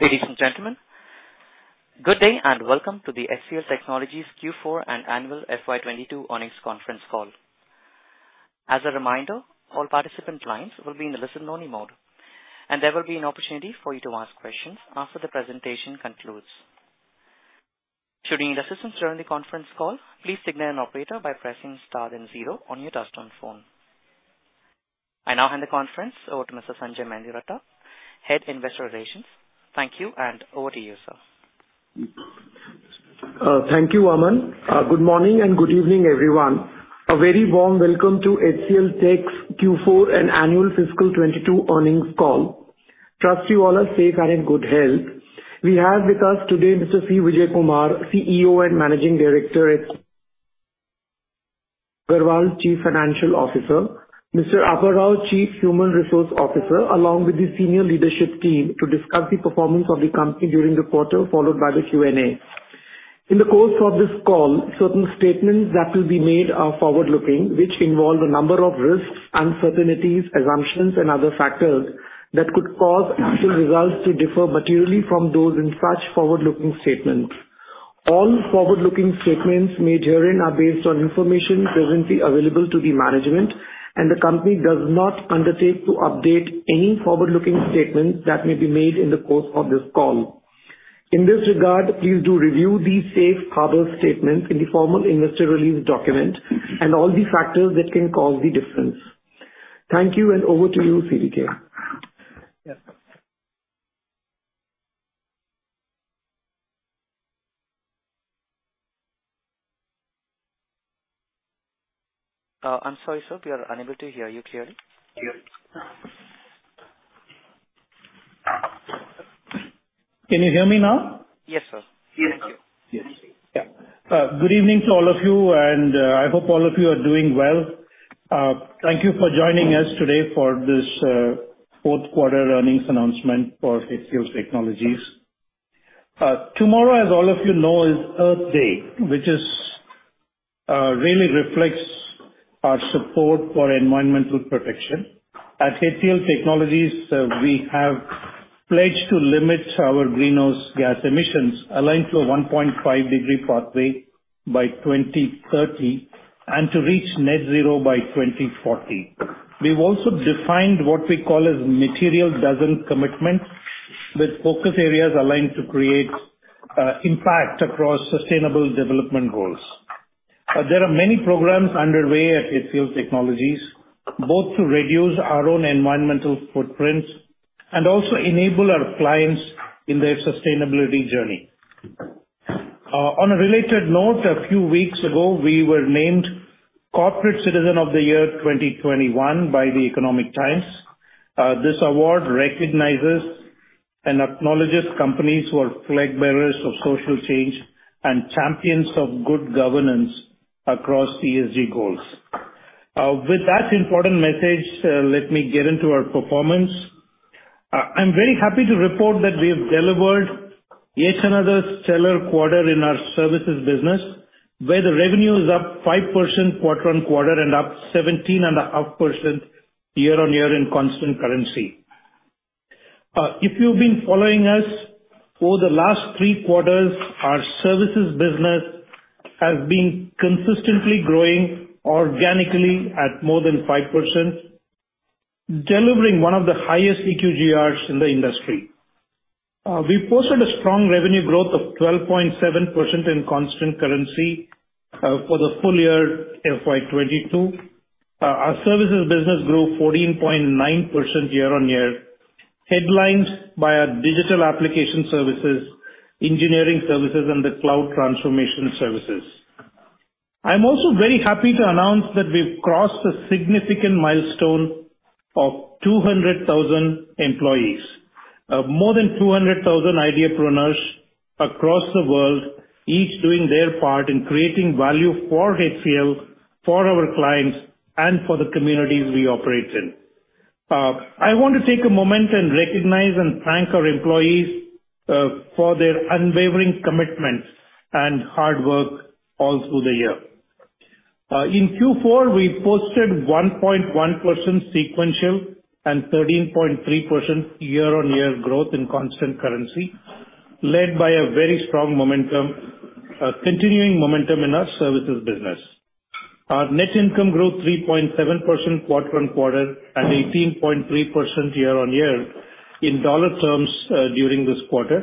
Ladies and gentlemen, good day and welcome to the HCLTech Q4 and annual FY 2022 earnings conference call. As a reminder, all participant lines will be in the listen-only mode, and there will be an opportunity for you to ask questions after the presentation concludes. Should you need assistance during the conference call, please signal an operator by pressing star then zero on your touchtone phone. I now hand the conference over to Mr. Sanjay Mendiratta, Head Investor Relations. Thank you, and over to you, sir. Thank you, Aman. Good morning and good evening, everyone. A very warm welcome to HCLTech's Q4 and annual fiscal 2022 earnings call. Trust you all are safe and in good health. We have with us today Mr. C. Vijayakumar, CEO and Managing Director, Prateek Aggarwal, Chief Financial Officer, Mr. Apparao V V, Chief Human Resources Officer, along with the senior leadership team to discuss the performance of the company during the quarter, followed by the Q&A. In the course of this call, certain statements that will be made are forward-looking, which involve a number of risks, uncertainties, assumptions, and other factors that could cause actual results to differ materially from those in such forward-looking statements. All forward-looking statements made herein are based on information presently available to the management, and the company does not undertake to update any forward-looking statements that may be made in the course of this call. In this regard, please do review the safe harbor statement in the formal investor release document and all the factors that can cause the difference. Thank you, and over to you, CVK. Yes. I'm sorry, sir. We are unable to hear you clearly. Can you hear me now? Yes, sir. Yes. Yeah. Good evening to all of you, and I hope all of you are doing well. Thank you for joining us today for this fourth quarter earnings announcement for HCLTech. Tomorrow, as all of you know, is Earth Day, which really reflects our support for environmental protection. At HCLTech, we have pledged to limit our greenhouse gas emissions aligned to a 1.5-degree pathway by 2030 and to reach net zero by 2040. We've also defined what we call material dozen commitment, with focus areas aligned to create impact across sustainable development goals. There are many programs underway at HCLTech, both to reduce our own environmental footprints and also enable our clients in their sustainability journey. On a related note, a few weeks ago, we were named Corporate Citizen of the Year 2021 by The Economic Times. This award recognizes and acknowledges companies who are flag bearers of social change and champions of good governance across ESG goals. With that important message, let me get into our performance. I'm very happy to report that we have delivered yet another stellar quarter in our services business, where the revenue is up 5% quarter-on-quarter and up 17.5% year-on-year in constant currency. If you've been following us over the last three quarters, our services business has been consistently growing organically at more than 5%, delivering one of the highest CQGRs in the industry. We posted a strong revenue growth of 12.7% in constant currency for the full year FY 2022. Our services business grew 14.9% year-on-year, headlined by our digital application services, engineering services, and the cloud transformation services. I'm also very happy to announce that we've crossed a significant milestone of 200,000 employees. More than 200,000 ideapreneurs across the world, each doing their part in creating value for HCL, for our clients, and for the communities we operate in. I want to take a moment and recognize and thank our employees for their unwavering commitment and hard work all through the year. In Q4, we posted 1.1% sequential and 13.3% year-over-year growth in constant currency, led by a very strong momentum, continuing momentum in our services business. Our net income grew 3.7% quarter-over-quarter and 18.3% year-over-year in dollar terms during this quarter.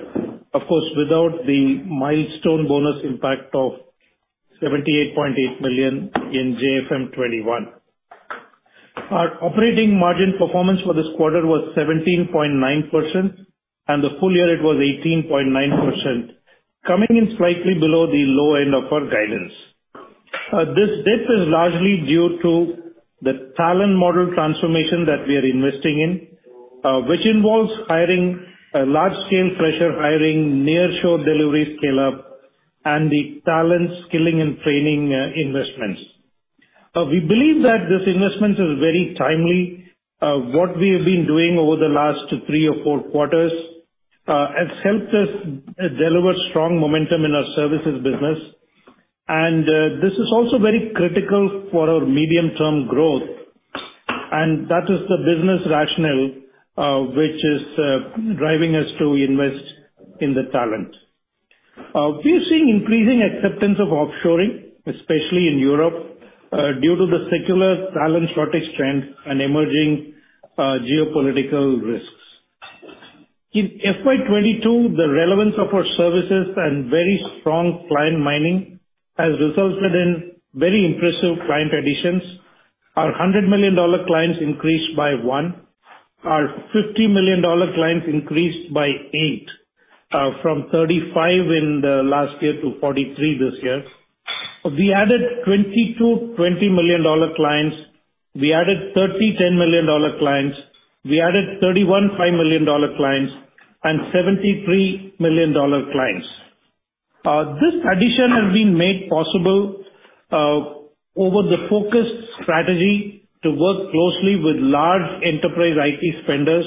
Of course, without the milestone bonus impact of $78.8 million in JFM 2021. Our operating margin performance for this quarter was 17.9%, and the full year it was 18.9%, coming in slightly below the low end of our guidance. This dip is largely due to the talent model transformation that we are investing in, which involves hiring a large-scale fresher hiring, nearshore delivery scale-up, and the talent skilling and training investments. We believe that this investment is very timely. What we have been doing over the last three or four quarters has helped us deliver strong momentum in our services business. This is also very critical for our medium-term growth, and that is the business rationale which is driving us to invest in the talent. We've seen increasing acceptance of offshoring, especially in Europe, due to the secular talent shortage trend and emerging geopolitical risks. In FY 2022, the relevance of our services and very strong client mining has resulted in very impressive client additions. Our $100 million clients increased by one. Our $50 million clients increased by eight, from 35 in the last year to 43 this year. We added 22 $20 million clients. We added 30 $10 million clients. We added 31 $5 million clients and 73 $1 million clients. This addition has been made possible over the focused strategy to work closely with large enterprise IT spenders,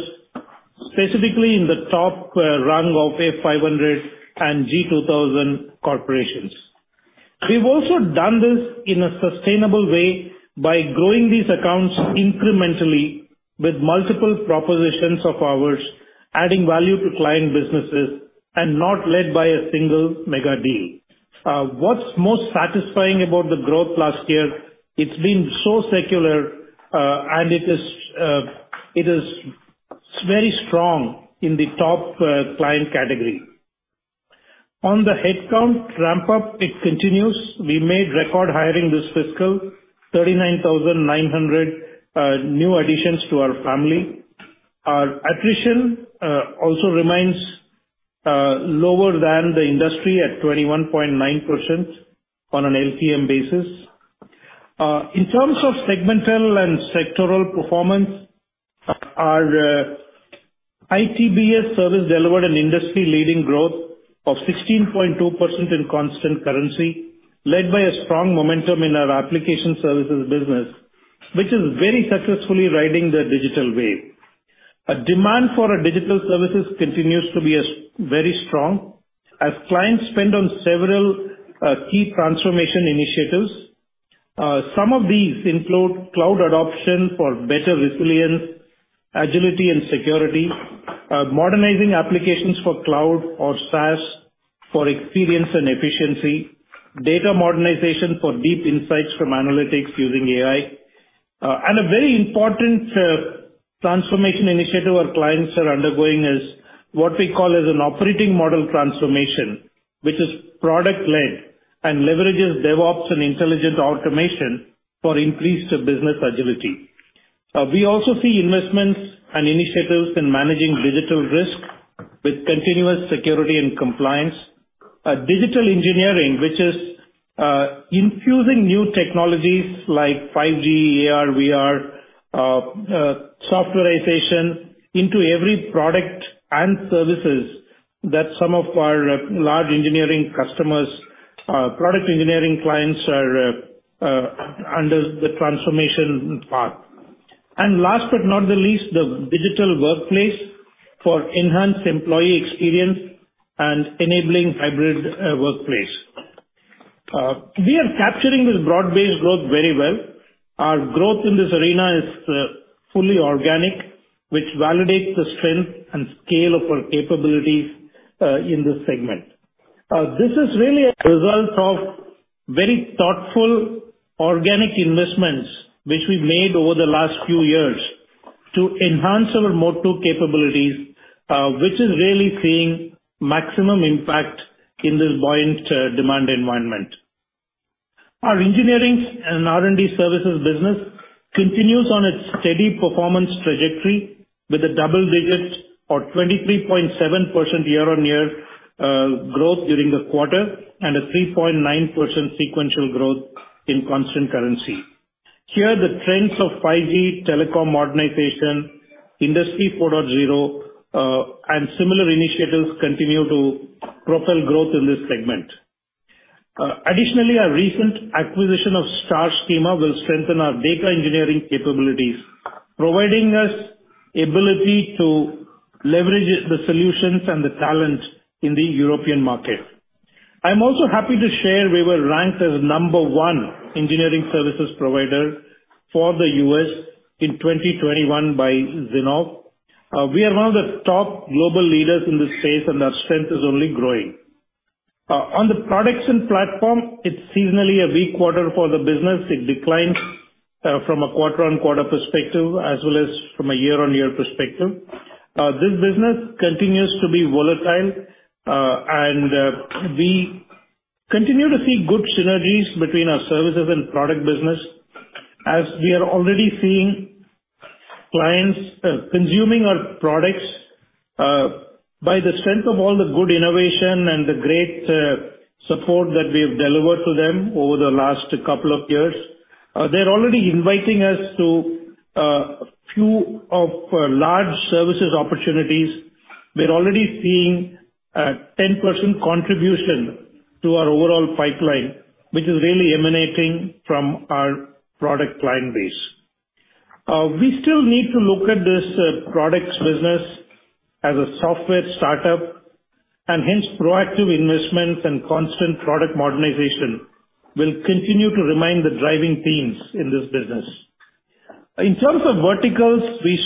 specifically in the top rung of Fortune 500 and Global 2000 corporations. We've also done this in a sustainable way by growing these accounts incrementally with multiple propositions of ours, adding value to client businesses and not led by a single mega deal. What's most satisfying about the growth last year, it's been so secular, and it is very strong in the top client category. On the headcount ramp-up, it continues. We made record hiring this fiscal, 39,900 new additions to our family. Our attrition also remains lower than the industry at 21.9% on an LTM basis. In terms of segmental and sectoral performance, our ITBS service delivered an industry-leading growth of 16.2% in constant currency, led by a strong momentum in our application services business, which is very successfully riding the digital wave. The demand for our digital services continues to be very strong as clients spend on several key transformation initiatives. Some of these include cloud adoption for better resilience, agility and security, modernizing applications for cloud or SaaS for experience and efficiency, data modernization for deep insights from analytics using AI. A very important transformation initiative our clients are undergoing is what we call as an operating model transformation, which is product led and leverages DevOps and intelligent automation for increased business agility. We also see investments and initiatives in managing digital risk with continuous security and compliance. Digital engineering, which is infusing new technologies like 5G, AR, VR, softwarization into every product and services that some of our large engineering customers, product engineering clients are under the transformation path. Last but not the least, the digital workplace for enhanced employee experience and enabling hybrid workplace. We are capturing this broad-based growth very well. Our growth in this arena is fully organic, which validates the strength and scale of our capabilities in this segment. This is really a result of very thoughtful organic investments which we've made over the last few years to enhance our Mode Two capabilities, which is really seeing maximum impact in this buoyant demand environment. Our engineering and R&D services business continues on its steady performance trajectory with double digits or 23.7% year-on-year growth during the quarter, and a 3.9% sequential growth in constant currency. Here, the trends of 5G telecom modernization, Industry 4.0, and similar initiatives continue to propel growth in this segment. Additionally, our recent acquisition of Starschema will strengthen our data engineering capabilities, providing us ability to leverage the solutions and the talent in the European market. I'm also happy to share we were ranked as number one engineering services provider for the U.S. in 2021 by Zinnov. We are one of the top global leaders in this space, and our strength is only growing. On the Products and Platforms, it's seasonally a weak quarter for the business. It declined from a quarter-on-quarter perspective as well as from a year-on-year perspective. This business continues to be volatile, and we continue to see good synergies between our services and product business, as we are already seeing clients consuming our products by the strength of all the good innovation and the great support that we have delivered to them over the last couple of years. They're already inviting us to a few large services opportunities. We're already seeing a 10% contribution to our overall pipeline, which is really emanating from our product client base. We still need to look at this products business as a software startup and hence proactive investments and constant product modernization will continue to remain the driving themes in this business. In terms of verticals, we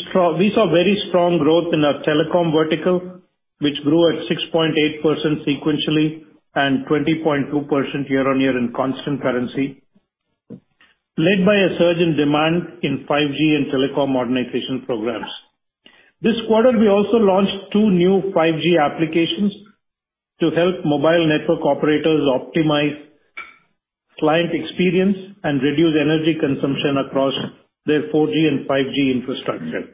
saw very strong growth in our telecom vertical, which grew at 6.8% sequentially and 20.2% year-on-year in constant currency, led by a surge in demand in 5G and telecom modernization programs. This quarter, we also launched two new 5G applications to help mobile network operators optimize client experience and reduce energy consumption across their 4G and 5G infrastructure.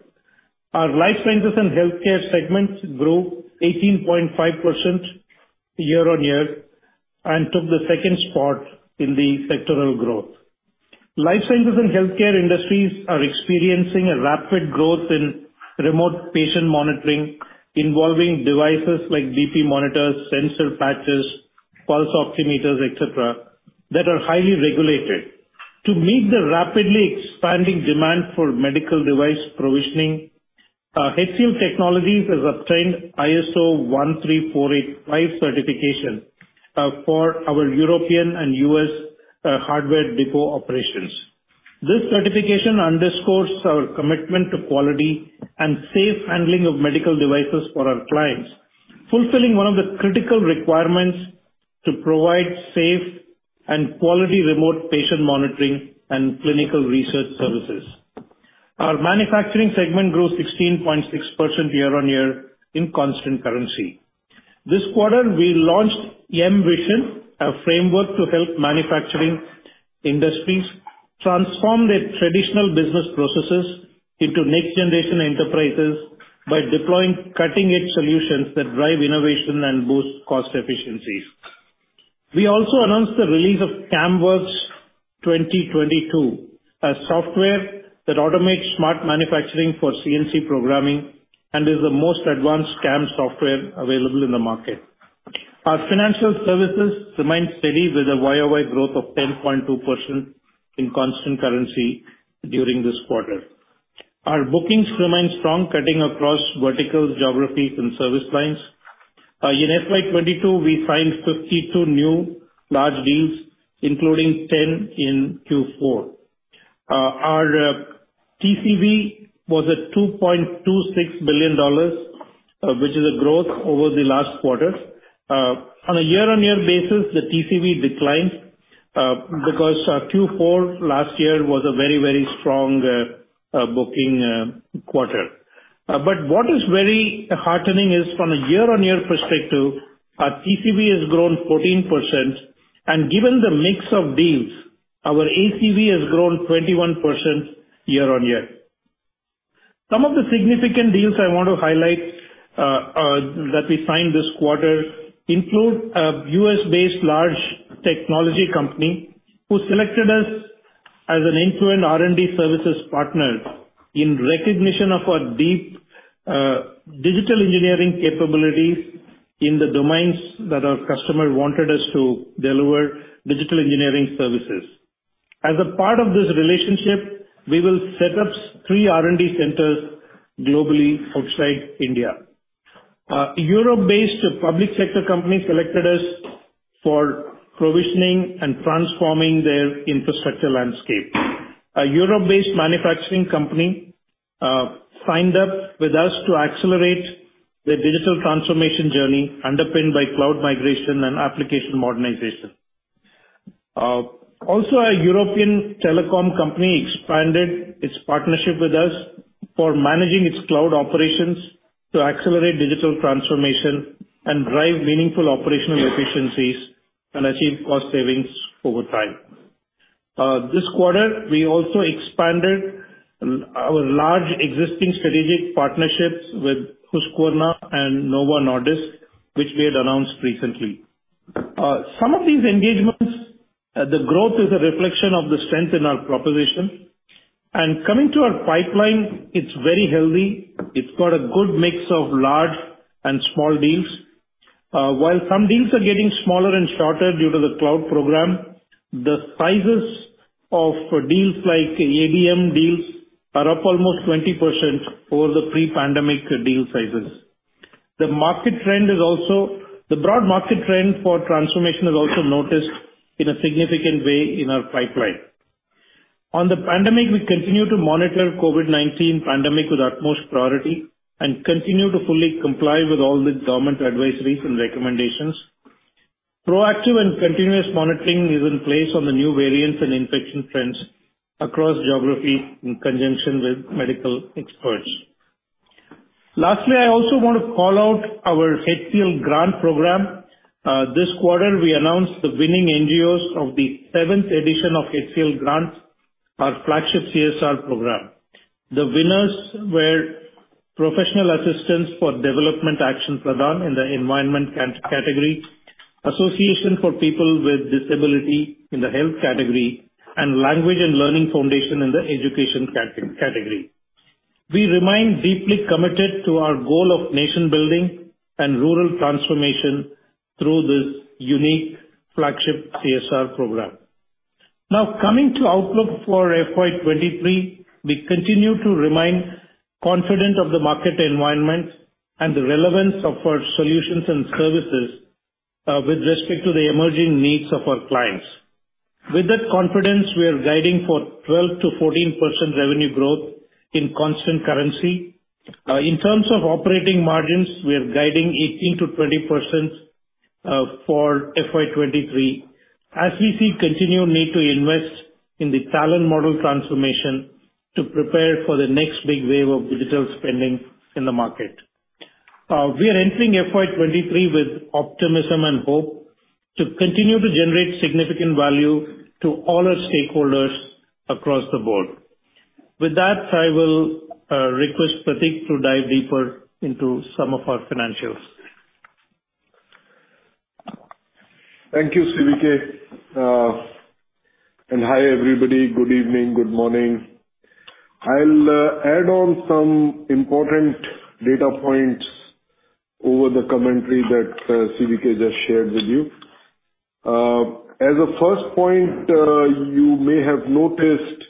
Our Life Sciences and Healthcare segments grew 18.5% year-on-year and took the second spot in the sectoral growth. Life Sciences and Healthcare industries are experiencing a rapid growth in remote patient monitoring involving devices like BP monitors, sensor patches, pulse oximeters, et cetera, that are highly regulated. To meet the rapidly expanding demand for medical device provisioning, HCLTech has obtained ISO 13485 certification for our European and U.S. hardware depot operations. This certification underscores our commitment to quality and safe handling of medical devices for our clients, fulfilling one of the critical requirements to provide safe and quality remote patient monitoring and clinical research services. Our manufacturing segment grew 16.6% year-on-year in constant currency. This quarter, we launched MVision, a framework to help manufacturing industries transform their traditional business processes into next generation enterprises by deploying cutting-edge solutions that drive innovation and boost cost efficiencies. We also announced the release of CAMWorks 2022, a software that automates smart manufacturing for CNC programming and is the most advanced CAM software available in the market. Our financial services remained steady with a year-over-year growth of 10.2% in constant currency during this quarter. Our bookings remain strong, cutting across verticals, geographies, and service lines. In FY 2022, we signed 52 new large deals, including 10 in Q4. Our TCV was at $2.26 billion, which is a growth over the last quarter. On a year-over-year basis, the TCV declined, because our Q4 last year was a very, very strong booking quarter. But what is very heartening is from a year-over-year perspective, our TCV has grown 14%. Given the mix of deals, our ACV has grown 21% year-over-year. Some of the significant deals I want to highlight that we signed this quarter include a U.S.-based large technology company who selected us as an end-to-end R&D services partner in recognition of our deep digital engineering capabilities in the domains that our customer wanted us to deliver digital engineering services. As a part of this relationship, we will set up three R&D centers globally outside India. Europe-based public sector company selected us for provisioning and transforming their infrastructure landscape. A Europe-based manufacturing company signed up with us to accelerate their digital transformation journey underpinned by cloud migration and application modernization. Also a European telecom company expanded its partnership with us for managing its cloud operations to accelerate digital transformation and drive meaningful operational efficiencies and achieve cost savings over time. This quarter, we also expanded our large existing strategic partnerships with Husqvarna and Novo Nordisk, which we had announced recently. Some of these engagements, the growth is a reflection of the strength in our proposition. Coming to our pipeline, it's very healthy. It's got a good mix of large and small deals. While some deals are getting smaller and shorter due to the cloud program, the sizes of deals like ABM deals are up almost 20% over the pre-pandemic deal sizes. The broad market trend for transformation is also noticed in a significant way in our pipeline. On the pandemic, we continue to monitor COVID-19 pandemic with utmost priority and continue to fully comply with all the government advisories and recommendations. Proactive and continuous monitoring is in place on the new variants and infection trends across geographies in conjunction with medical experts. Lastly, I also want to call out our HCL Grant program. This quarter we announced the winning NGOs of the seventh edition of HCL Grants, our flagship CSR program. The winners were Professional Assistance for Development Action PRADAN in the Environment category, The Association of People with Disability in the Health category, and Language and Learning Foundation in the Education category. We remain deeply committed to our goal of nation building and rural transformation through this unique flagship CSR program. Now coming to outlook for FY 2023, we continue to remain confident of the market environment and the relevance of our solutions and services, with respect to the emerging needs of our clients. With that confidence, we are guiding for 12%-14% revenue growth in constant currency. In terms of operating margins, we are guiding 18%-20% for FY 2023. As we see continued need to invest in the talent model transformation to prepare for the next big wave of digital spending in the market. We are entering FY 2023 with optimism and hope to continue to generate significant value to all our stakeholders across the board. With that, I will request Prateek to dive deeper into some of our financials. Thank you, CVK. Hi, everybody. Good evening, good morning. I'll add on some important data points over the commentary that CVK just shared with you. As a first point, you may have noticed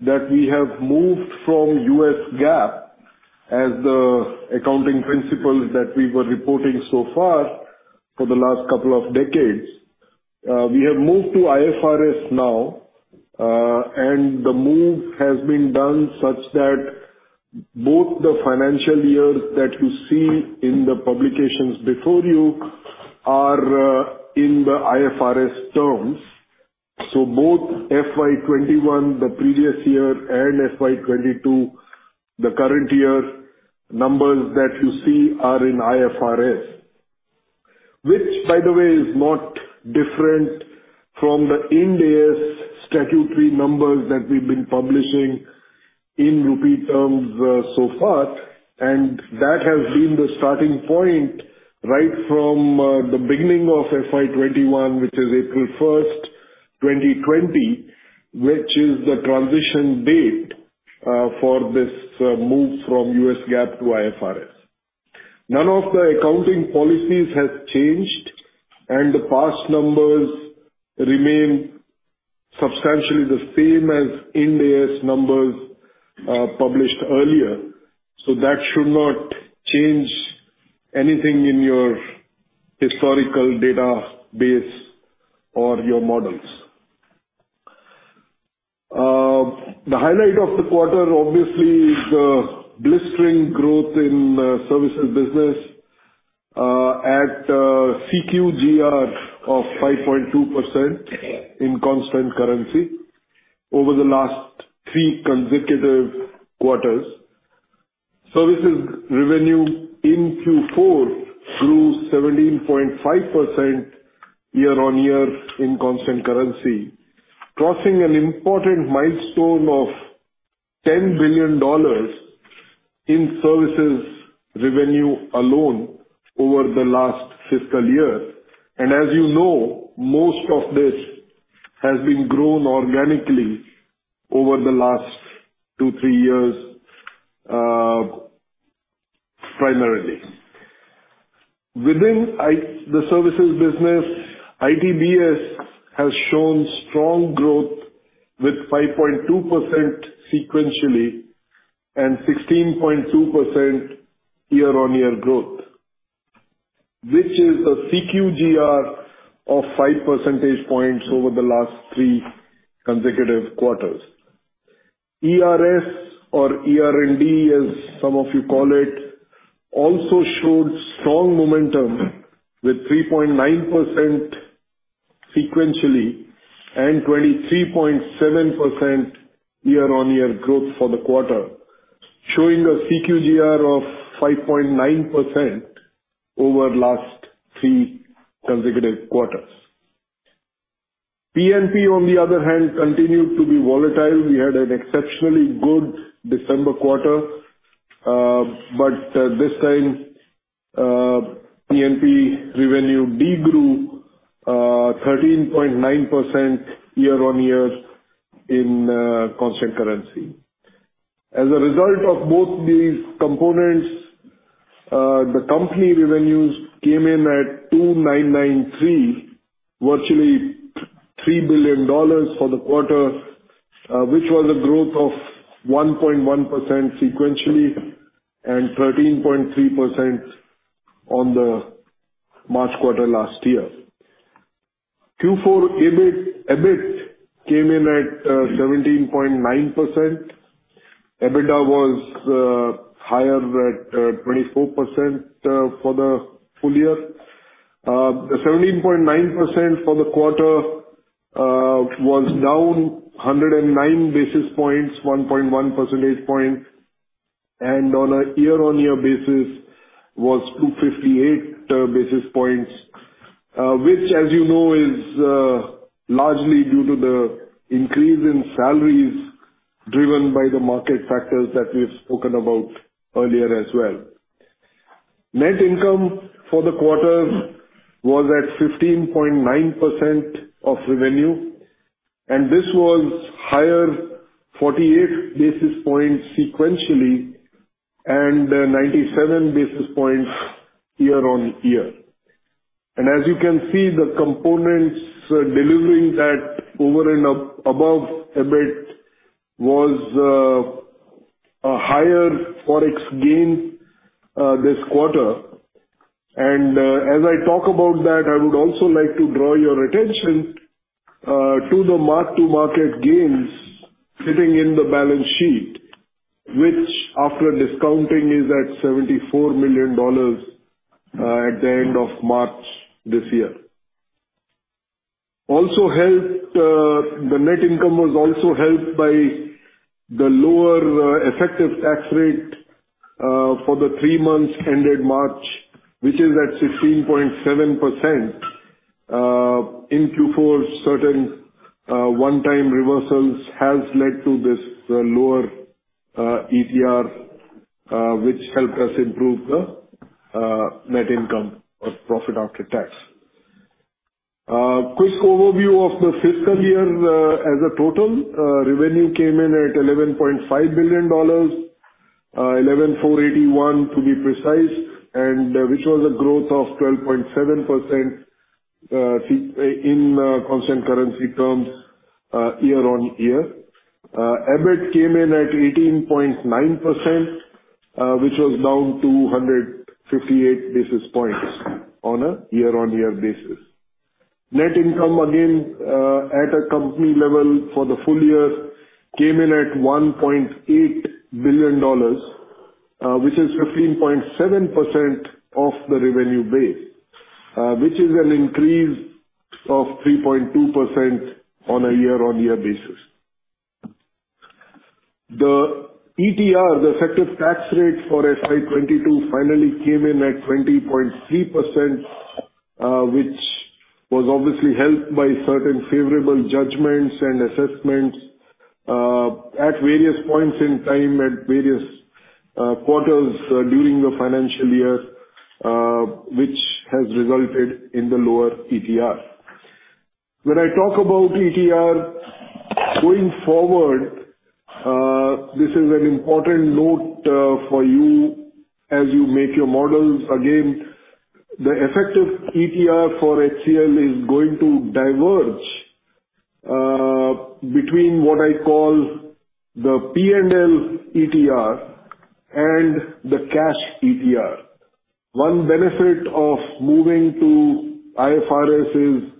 that we have moved from U.S. GAAP as the accounting principle that we were reporting so far for the last couple of decades. We have moved to IFRS now, and the move has been done such that both the financial years that you see in the publications before you are in the IFRS terms. Both FY 2021, the previous year, and FY 2022, the current year numbers that you see are in IFRS. Which by the way is not different from the Ind AS statutory numbers that we've been publishing in rupee terms so far. That has been the starting point right from the beginning of FY 2021 which is April 1, 2020, which is the transition date for this move from U.S. GAAP to IFRS. None of the accounting policies has changed, and the past numbers remain substantially the same as Ind AS numbers published earlier. That should not change anything in your historical database or your models. The highlight of the quarter obviously is blistering growth in services business at a CQGR of 5.2% in constant currency over the last three consecutive quarters. Services revenue in Q4 grew 17.5% year-on-year in constant currency, crossing an important milestone of $10 billion in services revenue alone over the last fiscal year. As you know, most of this has been grown organically over the last two, three years, primarily. Within the services business, ITBS has shown strong growth with 5.2% sequentially and 16.2% year-over-year growth, which is a CQGR of five percentage points over the last three consecutive quarters. ERS or ER&D, as some of you call it, also showed strong momentum with 3.9% sequentially and 23.7% year-over-year growth for the quarter, showing a CQGR of 5.9% over last three consecutive quarters. P&P, on the other hand, continued to be volatile. We had an exceptionally good December quarter. But this time, P&P revenue de-grew 13.9% year-over-year in constant currency. As a result of both these components, the company revenues came in at $2.993 billion, virtually $3 billion for the quarter, which was a growth of 1.1% sequentially and 13.3% on the March quarter last year. Q4 EBIT came in at 17.9%. EBITDA was higher at 24% for the full year. The 17.9% for the quarter was down 109 basis points, 1.1 percentage points, and on a year-on-year basis was 258 basis points. Which as you know, is largely due to the increase in salaries driven by the market factors that we've spoken about earlier as well. Net income for the quarter was at 15.9% of revenue, and this was higher 48 basis points sequentially and 97 basis points year-on-year. As you can see, the components delivering that over and above EBIT was a higher Forex gain this quarter. As I talk about that, I would also like to draw your attention to the mark-to-market gains sitting in the balance sheet, which after discounting is at $74 million at the end of March this year. Also helped the net income was also helped by the lower effective tax rate for the three months ended March, which is at 16.7%, due to certain one-time reversals has led to this lower ETR, which helped us improve the net income, profit after tax. Quick overview of the fiscal year as a total revenue came in at $11.5 billion, $11.481 billion to be precise, and which was a growth of 12.7% in constant currency terms, year on year. EBIT came in at 18.9%, which was down 258 basis points on a year-on-year basis. Net income again, at a company level for the full year came in at $1.8 billion, which is 15.7% of the revenue base, which is an increase of 3.2% on a year-on-year basis. The ETR, the effective tax rate for FY 2022 finally came in at 20.3%, which was obviously helped by certain favorable judgments and assessments, at various points in time at various quarters during the financial year, which has resulted in the lower ETR. When I talk about ETR going forward, this is an important note, for you as you make your models. Again, the effect of ETR for HCL is going to diverge, between what I call the P&L ETR and the cash ETR. One benefit of moving to IFRS is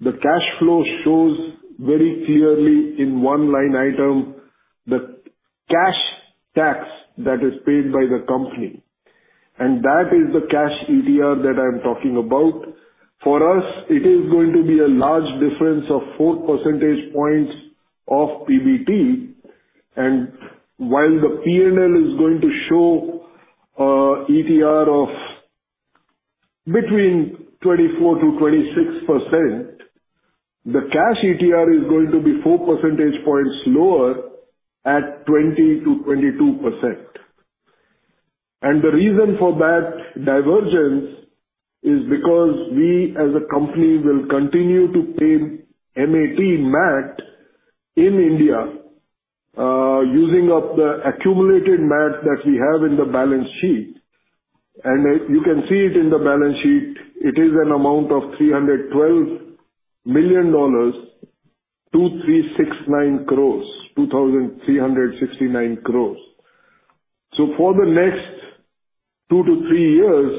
the cash flow shows very clearly in one line item the cash tax that is paid by the company, and that is the cash ETR that I'm talking about. For us, it is going to be a large difference of four percentage points of PBT. While the P&L is going to show ETR of between 24%-26%, the cash ETR is going to be four percentage points lower at 20%-22%. The reason for that divergence is because we, as a company, will continue to pay MAT in India using up the accumulated MAT that we have in the balance sheet. You can see it in the balance sheet, it is an amount of $312 million, 2,369 crore. For the next two to three years,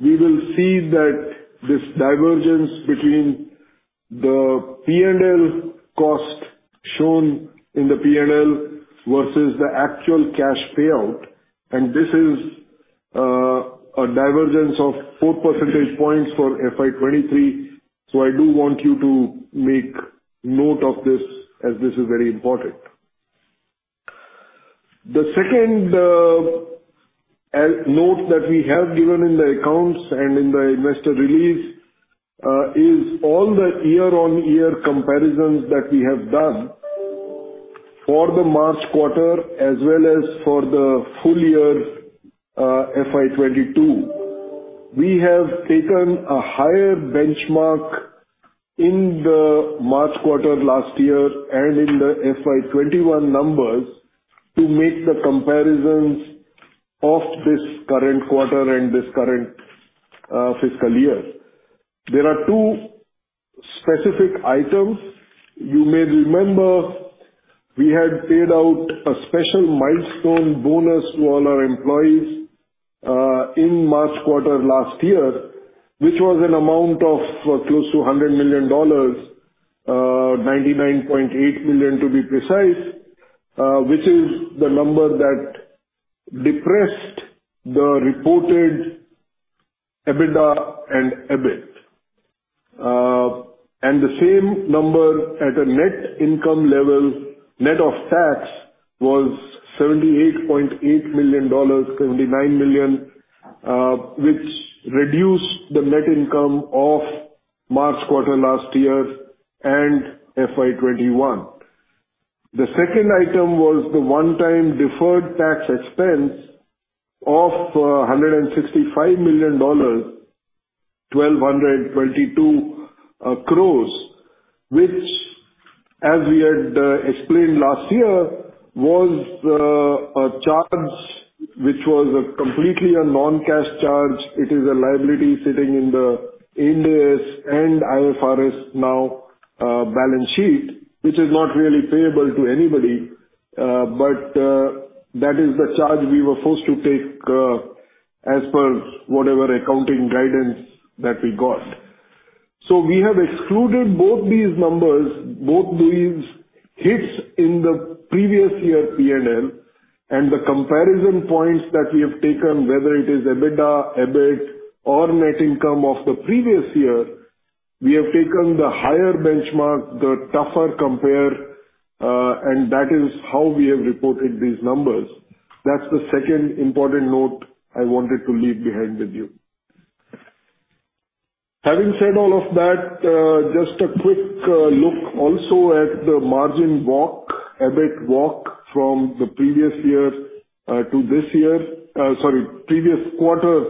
we will see that this divergence between the P&L cost shown in the P&L versus the actual cash payout, and this is a divergence of four percentage points for FY 2023. I do want you to make note of this as this is very important. The second note that we have given in the accounts and in the investor release is all the year-over-year comparisons that we have done for the March quarter as well as for the full year FY 2022. We have taken a higher benchmark in the March quarter last year and in the FY 2021 numbers to make the comparisons of this current quarter and this current fiscal year. There are two specific items. You may remember we had paid out a special milestone bonus to all our employees in March quarter last year, which was an amount of close to $100 million, $99.8 million to be precise, which is the number that depressed the reported EBITDA and EBIT. The same number at a net income level, net of tax was $78.8 million, $79 million, which reduced the net income of March quarter last year and FY 2021. The second item was the one time deferred tax expense of $165 million, 1,222 crore, which as we had explained last year, was a charge which was a completely non-cash charge. It is a liability sitting in the Ind AS and IFRS now, balance sheet, which is not really payable to anybody, but, that is the charge we were forced to take, as per whatever accounting guidance that we got. We have excluded both these numbers, both these hits in the previous year P&L and the comparison points that we have taken, whether it is EBITDA, EBIT or net income of the previous year, we have taken the higher benchmark, the tougher compare, and that is how we have reported these numbers. That's the second important note I wanted to leave behind with you. Having said all of that, just a quick look also at the margin walk, EBIT walk from the previous quarter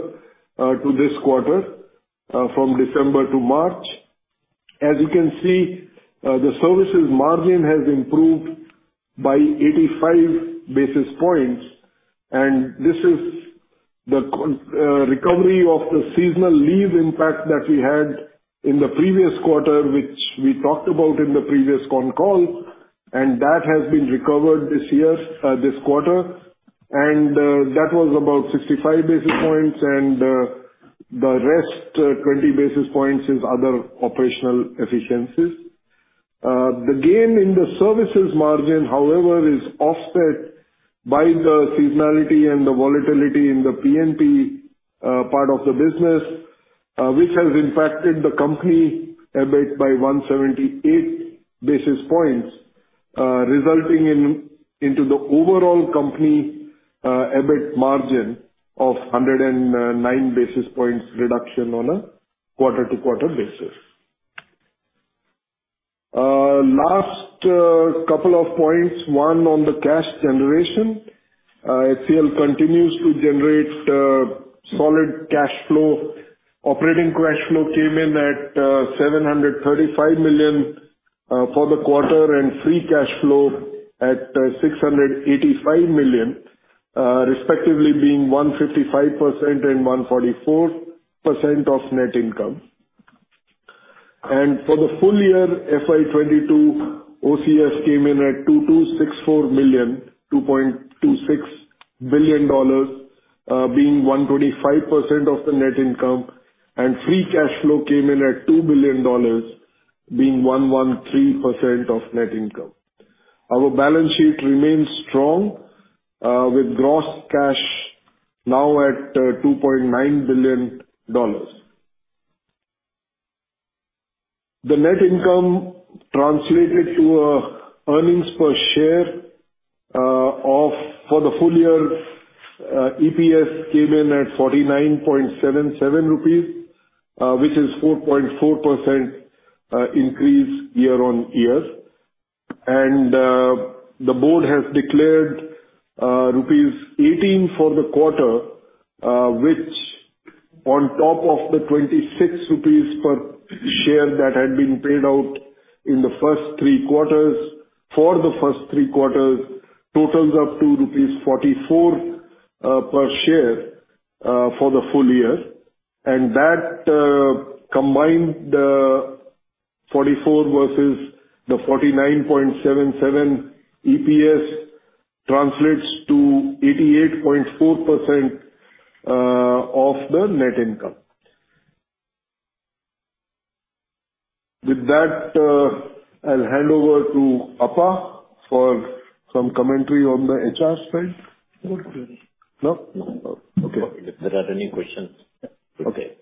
to this quarter, from December to March. As you can see, the services margin has improved by 85 basis points, and this is the recovery of the seasonal leave impact that we had in the previous quarter, which we talked about in the previous con call, and that has been recovered this year, this quarter. That was about 65 basis points. The rest, 20 basis points is other operational efficiencies. The gain in the services margin, however, is offset by the seasonality and the volatility in the P&P, part of the business, which has impacted the company EBIT by 178 basis points, resulting in the overall company, EBIT margin of 109 basis points reduction on a quarter-to-quarter basis. Last couple of points. One, on the cash generation. HCL continues to generate solid cash flow. Operating cash flow came in at $735 million for the quarter, and free cash flow at $685 million, respectively being 155% and 144% of net income. For the full year, FY 2022, OCF came in at $2.26 billion, being 125% of the net income, and free cash flow came in at $2 billion, being 113% of net income. Our balance sheet remains strong, with gross cash now at $2.9 billion. The net income translated to earnings per share of INR 49.77 for the full year, which is 4.4% increase year-over-year. The board has declared rupees 18 for the quarter, which on top of the 26 rupees per share that had been paid out in the first three quarters totals up to rupees 44 per share for the full year. That combined 44 versus the 49.77 EPS translates to 88.4% of the net income. With that, I'll hand over to Apa for some commentary on the HR spend. No, clearly. No? No. Okay. If there are any questions. Okay.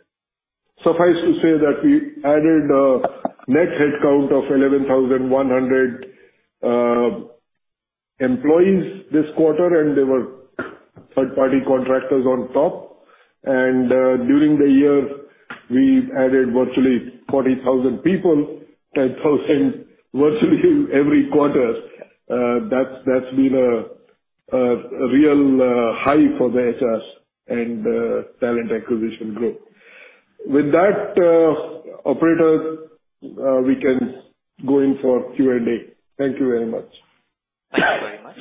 Suffice to say that we added a net headcount of 11,100 employees this quarter, and there were third-party contractors on top. During the year, we've added virtually 40,000 people, 10,000 virtually every quarter. That's been a real high for the HRs and talent acquisition group. With that, operator, we can go in for Q&A. Thank you very much. Thank you very much.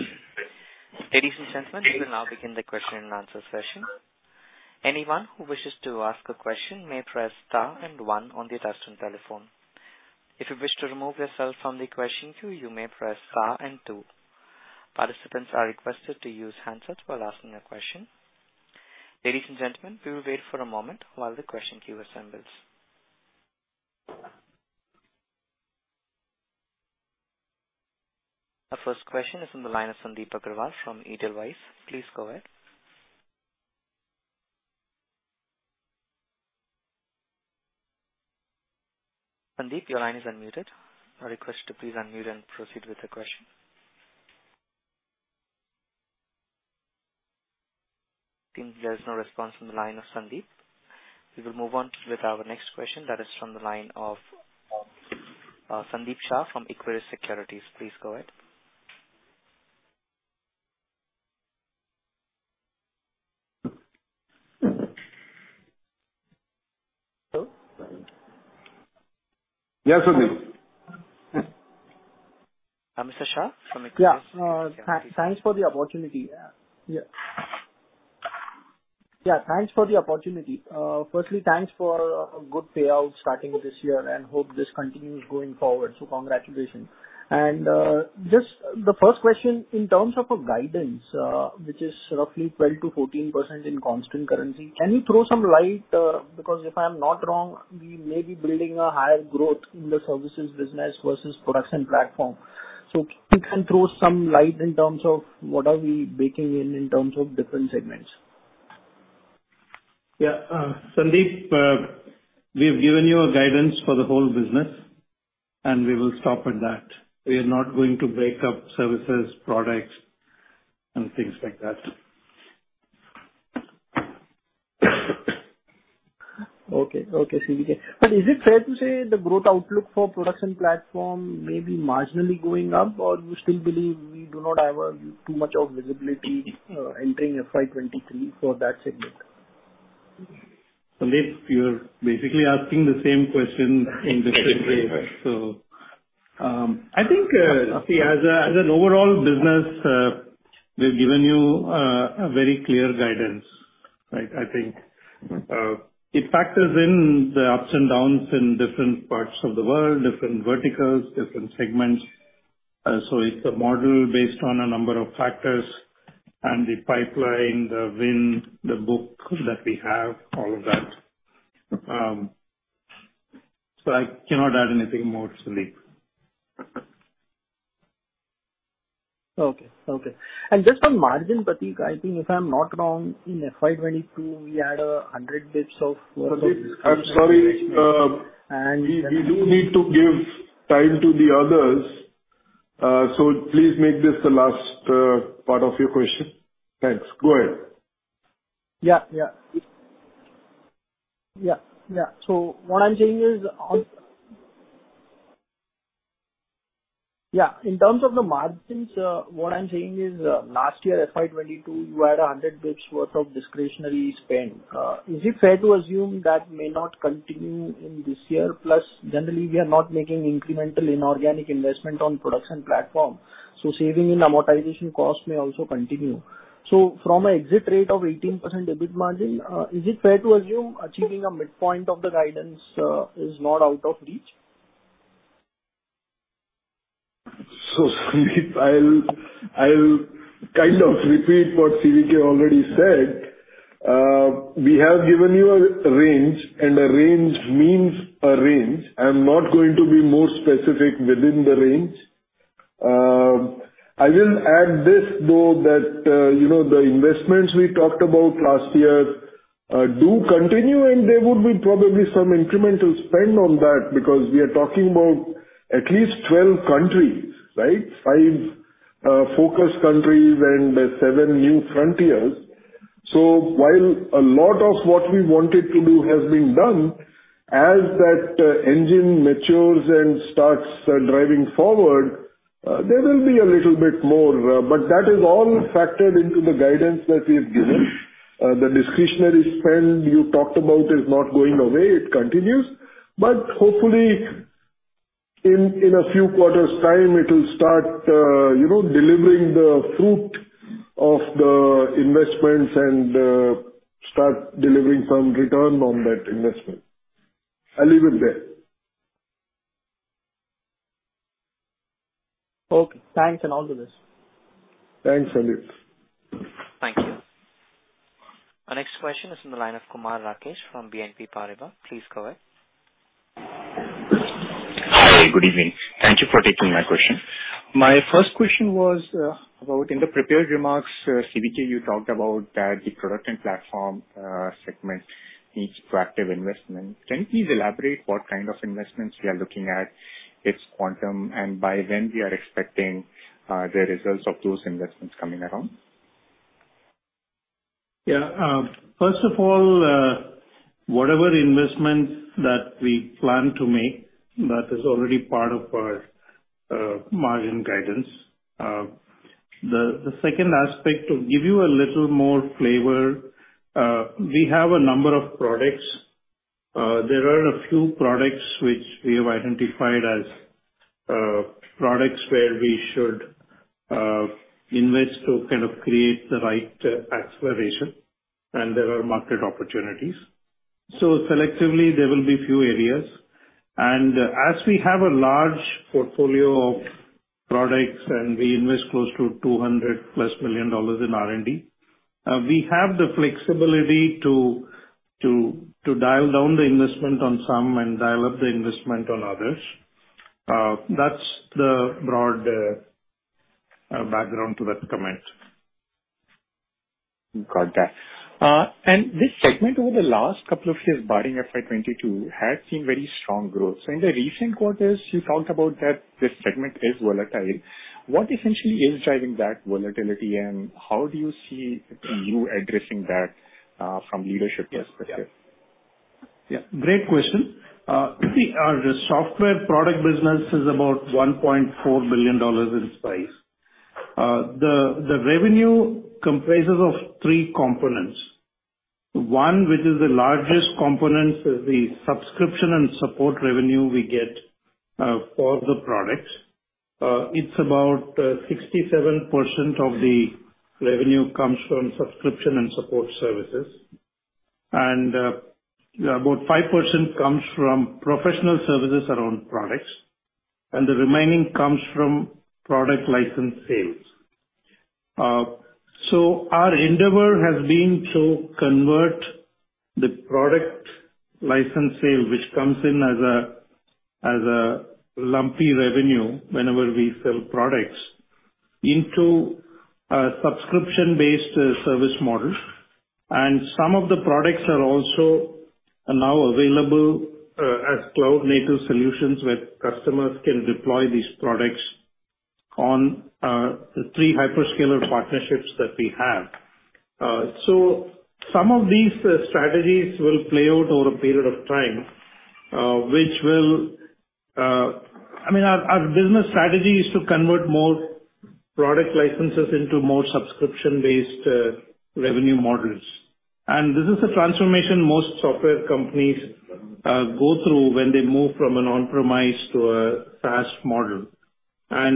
Ladies and gentlemen, we will now begin the question and answer session. Anyone who wishes to ask a question may press star and one on the touchtone telephone. If you wish to remove yourself from the question queue, you may press star and two. Participants are requested to use handsets while asking a question. Ladies and gentlemen, we will wait for a moment while the question queue assembles. Our first question is from the line of Sandip Agarwal from Edelweiss. Please go ahead. Sandip, your line is unmuted. A request to please unmute and proceed with the question. I think there's no response from the line of Sandip. We will move on with our next question that is from the line of Sandeep Shah from Equirus Securities. Please go ahead. Hello. Yes, Sandeep. Mr. Shah from Equirus- Thanks for the opportunity. Firstly, thanks for a good payout starting this year, and I hope this continues going forward. Congratulations. Just the first question, in terms of guidance, which is roughly 12%-14% in constant currency, can you throw some light? Because if I'm not wrong, we may be building a higher growth in the services business versus Products & Platforms. If you can throw some light in terms of what we are breaking down in terms of different segments. Yeah. Sandeep, we have given you a guidance for the whole business, and we will stop at that. We are not going to break up services, products and things like that. Okay. CVK. Is it fair to say the growth outlook for Products and Platforms may be marginally going up? Or you still believe we do not have too much visibility entering FY 2023 for that segment? Sandeep, you're basically asking the same question in different ways. I think as an overall business, we've given you a very clear guidance, right, I think. It factors in the ups and downs in different parts of the world, different verticals, different segments. It's a model based on a number of factors and the pipeline, the win, the book that we have, all of that. I cannot add anything more to Sandeep. Okay. Just on margin, Prateek, I think if I'm not wrong, in FY 2022 we had 100 basis points of work- Sandeep, I'm sorry. We do need to give time to the others, so please make this the last part of your question. Thanks. Go ahead. Yeah. What I'm saying is, in terms of the margins, last year, FY 2022, you had 100 basis points worth of discretionary spend. Is it fair to assume that may not continue this year? Plus, generally, we are not making incremental inorganic investment in product platform, so saving in amortization cost may also continue. From an exit rate of 18% EBIT margin, is it fair to assume achieving a midpoint of the guidance is not out of reach? Sandeep, I'll kind of repeat what CVK already said. We have given you a range, and a range means a range. I'm not going to be more specific within the range. I will add this, though, that the investments we talked about last year do continue, and there would be probably some incremental spend on that because we are talking about at least 12 countries, right? Five focus countries and seven new frontiers. While a lot of what we wanted to do has been done, as that engine matures and starts driving forward, there will be a little bit more, but that is all factored into the guidance that we've given. The discretionary spend you talked about is not going away. It continues. Hopefully in a few quarters' time it will start, you know, delivering the fruit of the investments and start delivering some return on that investment. I'll leave it there. Okay. Thanks and all the best. Thanks, Sandeep. Thank you. Our next question is from the line of Kumar Rakesh from BNP Paribas. Please go ahead. Hi. Good evening. Thank you for taking my question. My first question was about, in the prepared remarks, CVK, you talked about that the Products and Platforms segment needs proactive investment. Can you please elaborate what kind of investments we are looking at, its quantum, and by when we are expecting the results of those investments coming around? Yeah. First of all, whatever investments that we plan to make, that is already part of our margin guidance. The second aspect, to give you a little more flavor, we have a number of products. There are a few products which we have identified as products where we should invest to kind of create the right acceleration, and there are market opportunities. Selectively, there will be few areas. As we have a large portfolio of products and we invest close to $200 million plus in R&D, we have the flexibility to dial down the investment on some and dial up the investment on others. That's the broad background to that comment. Got that. This segment over the last couple of years, barring FY 2022, had seen very strong growth. In the recent quarters, you talked about that this segment is volatile. What essentially is driving that volatility, and how do you see yourself addressing that, from leadership perspective? Yeah. Great question. The software product business is about $1.4 billion in size. The revenue comprises of three components. One, which is the largest component, is the subscription and support revenue we get for the products. It's about 67% of the revenue comes from subscription and support services. About 5% comes from professional services around products, and the remaining comes from product license sales. Our endeavor has been to convert the product license sale, which comes in as a lumpy revenue whenever we sell products, into a subscription-based service model. Some of the products are also now available as cloud-native solutions, where customers can deploy these products on the three hyperscaler partnerships that we have. Some of these strategies will play out over a period of time, which will. I mean, our business strategy is to convert more product licenses into more subscription-based revenue models. This is a transformation most software companies go through when they move from an on-premise to a SaaS model. We are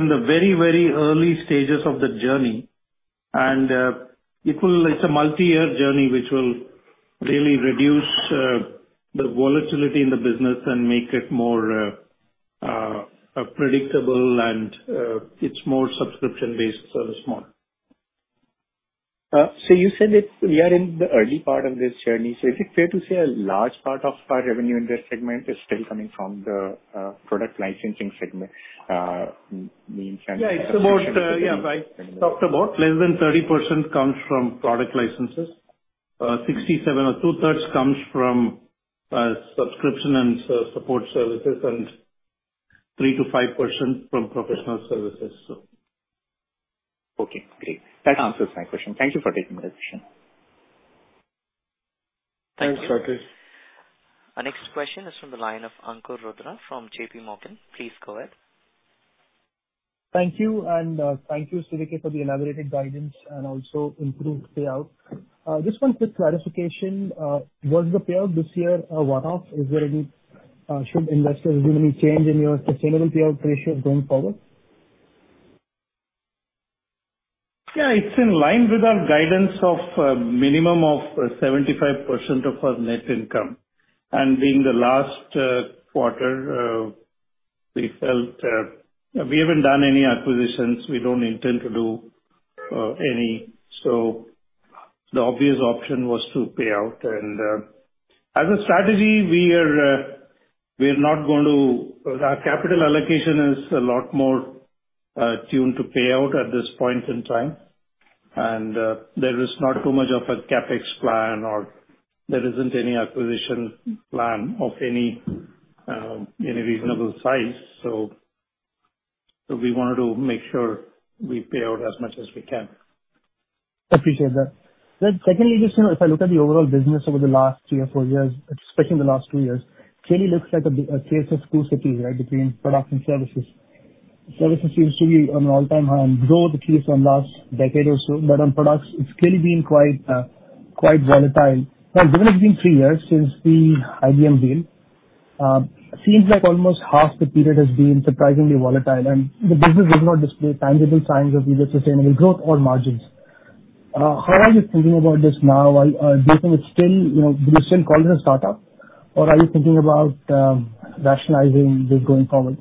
in the very, very early stages of the journey. It is a multi-year journey which will really reduce the volatility in the business and make it more predictable, and it is more subscription-based service model. You said it, we are in the early part of this journey. Is it fair to say a large part of our revenue in this segment is still coming from the product licensing segment, in terms of- It's about less than 30% comes from product licenses. 67% or 2/3 comes from subscription and support services and 3%-5% from professional services. Okay, great. That answers my question. Thank you for taking my question. Thanks Rakesh. Our next question is from the line of Ankur Rudra from JPMorgan. Please go ahead. Thank you, and thank you, CVK, for the elaborated guidance and also improved payout. Just one quick clarification. Was the payout this year a one-off? Should investors expect any change in your sustainable payout ratio going forward? Yeah, it's in line with our guidance of minimum of 75% of our net income. Being the last quarter, we felt. We haven't done any acquisitions. We don't intend to do any. The obvious option was to pay out. As a strategy, our capital allocation is a lot more tuned to payout at this point in time. There is not too much of a CapEx plan or there isn't any acquisition plan of any reasonable size. We wanted to make sure we pay out as much as we can. Appreciate that. Secondly, just, you know, if I look at the overall business over the last three or four years, especially in the last two years, clearly looks like a case of two cities, right, between products and services. Services seems to be on an all-time high and grow at least on last decade or so. On products, it's clearly been quite volatile. Now, given it's been three years since the IBM deal, seems like almost half the period has been surprisingly volatile and the business does not display tangible signs of either sustainable growth or margins. How are you thinking about this now? Do you think it's still, you know, do you still call it a startup or are you thinking about rationalizing this going forward?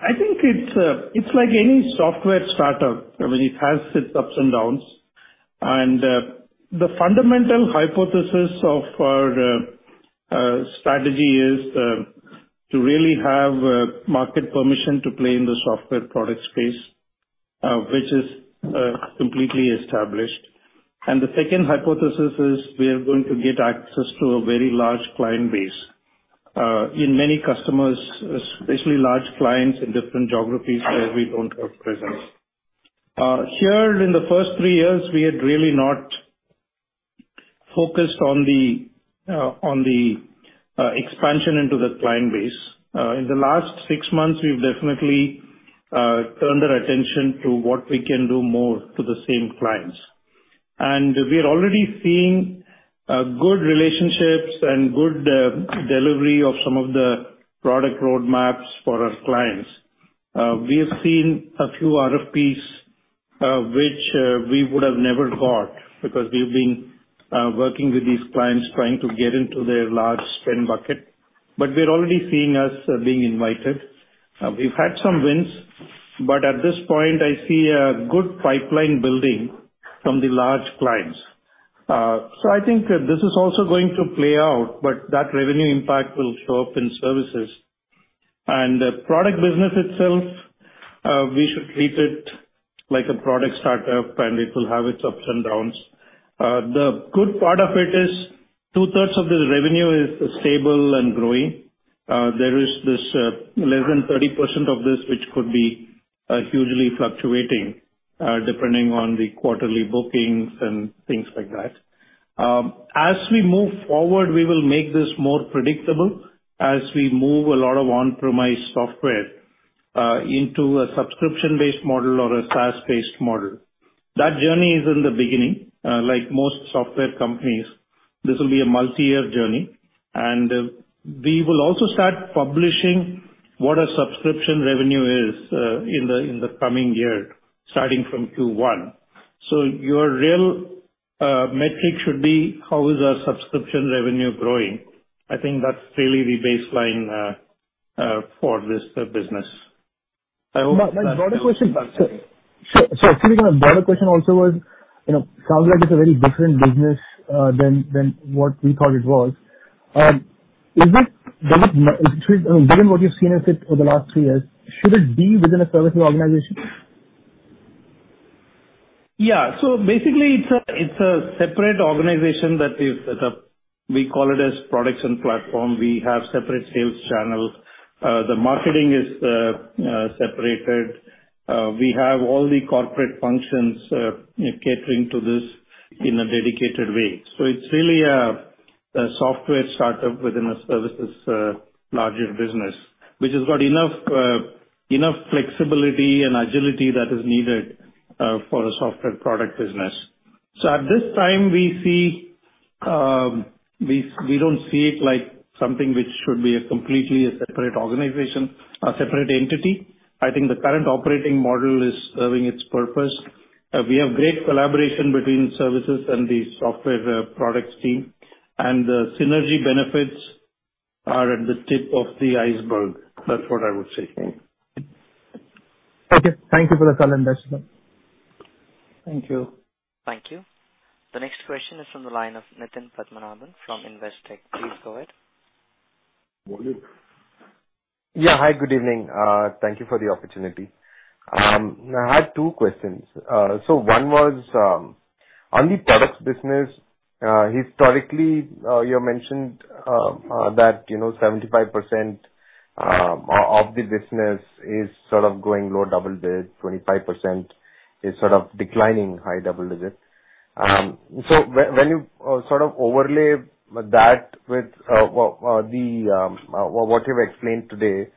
Yeah. I think it's like any software startup. I mean, it has its ups and downs. The fundamental hypothesis of our strategy is to really have market permission to play in the software product space, which is completely established. The second hypothesis is we are going to get access to a very large client base in many customers, especially large clients in different geographies where we don't have presence. Here in the first three years, we had really not focused on the expansion into the client base. In the last six months, we've definitely turned our attention to what we can do more to the same clients. We are already seeing good relationships and good delivery of some of the product roadmaps for our clients. We have seen a few RFPs, which we would have never got because we've been working with these clients trying to get into their large spend bucket, but we're already seeing us being invited. We've had some wins, but at this point I see a good pipeline building from the large clients. I think this is also going to play out, but that revenue impact will show up in services. The product business itself, we should treat it like a product startup, and it will have its ups and downs. The good part of it is 2/3 of the revenue is stable and growing. There is this less than 30% of this which could be hugely fluctuating depending on the quarterly bookings and things like that. As we move forward, we will make this more predictable as we move a lot of on-premise software into a subscription-based model or a SaaS-based model. That journey is in the beginning. Like most software companies, this will be a multi-year journey, and we will also start publishing what a subscription revenue is in the coming year, starting from Q1. So your real metric should be how is our subscription revenue growing? I think that's really the baseline for this business. I hope that helps. My broader question actually was, you know, sounds like it's a very different business than what we thought it was. Given what you've seen of it over the last three years, should it be within a services organization? Yeah. Basically, it's a separate organization that we've set up. We call it Products and Platforms. We have separate sales channels. The marketing is separated. We have all the corporate functions catering to this in a dedicated way. It's really a software startup within a services larger business, which has got enough flexibility and agility that is needed for a software product business. At this time, we see we don't see it like something which should be a completely separate organization, a separate entity. I think the current operating model is serving its purpose. We have great collaboration between services and the software products team, and the synergy benefits are at the tip of the iceberg. That's what I would say. Okay. Thank you for the color, CVK. Thank you. Thank you. The next question is from the line of Nitin Padmanabhan from Investec. Please go ahead. Good morning. Yeah. Hi, good evening. Thank you for the opportunity. I have two questions. One was on the products business. Historically, you mentioned that, you know, 75% of the business is sort of growing low double digits, 25% is sort of declining high double digits. When you sort of overlay that with, well, the what you've explained today,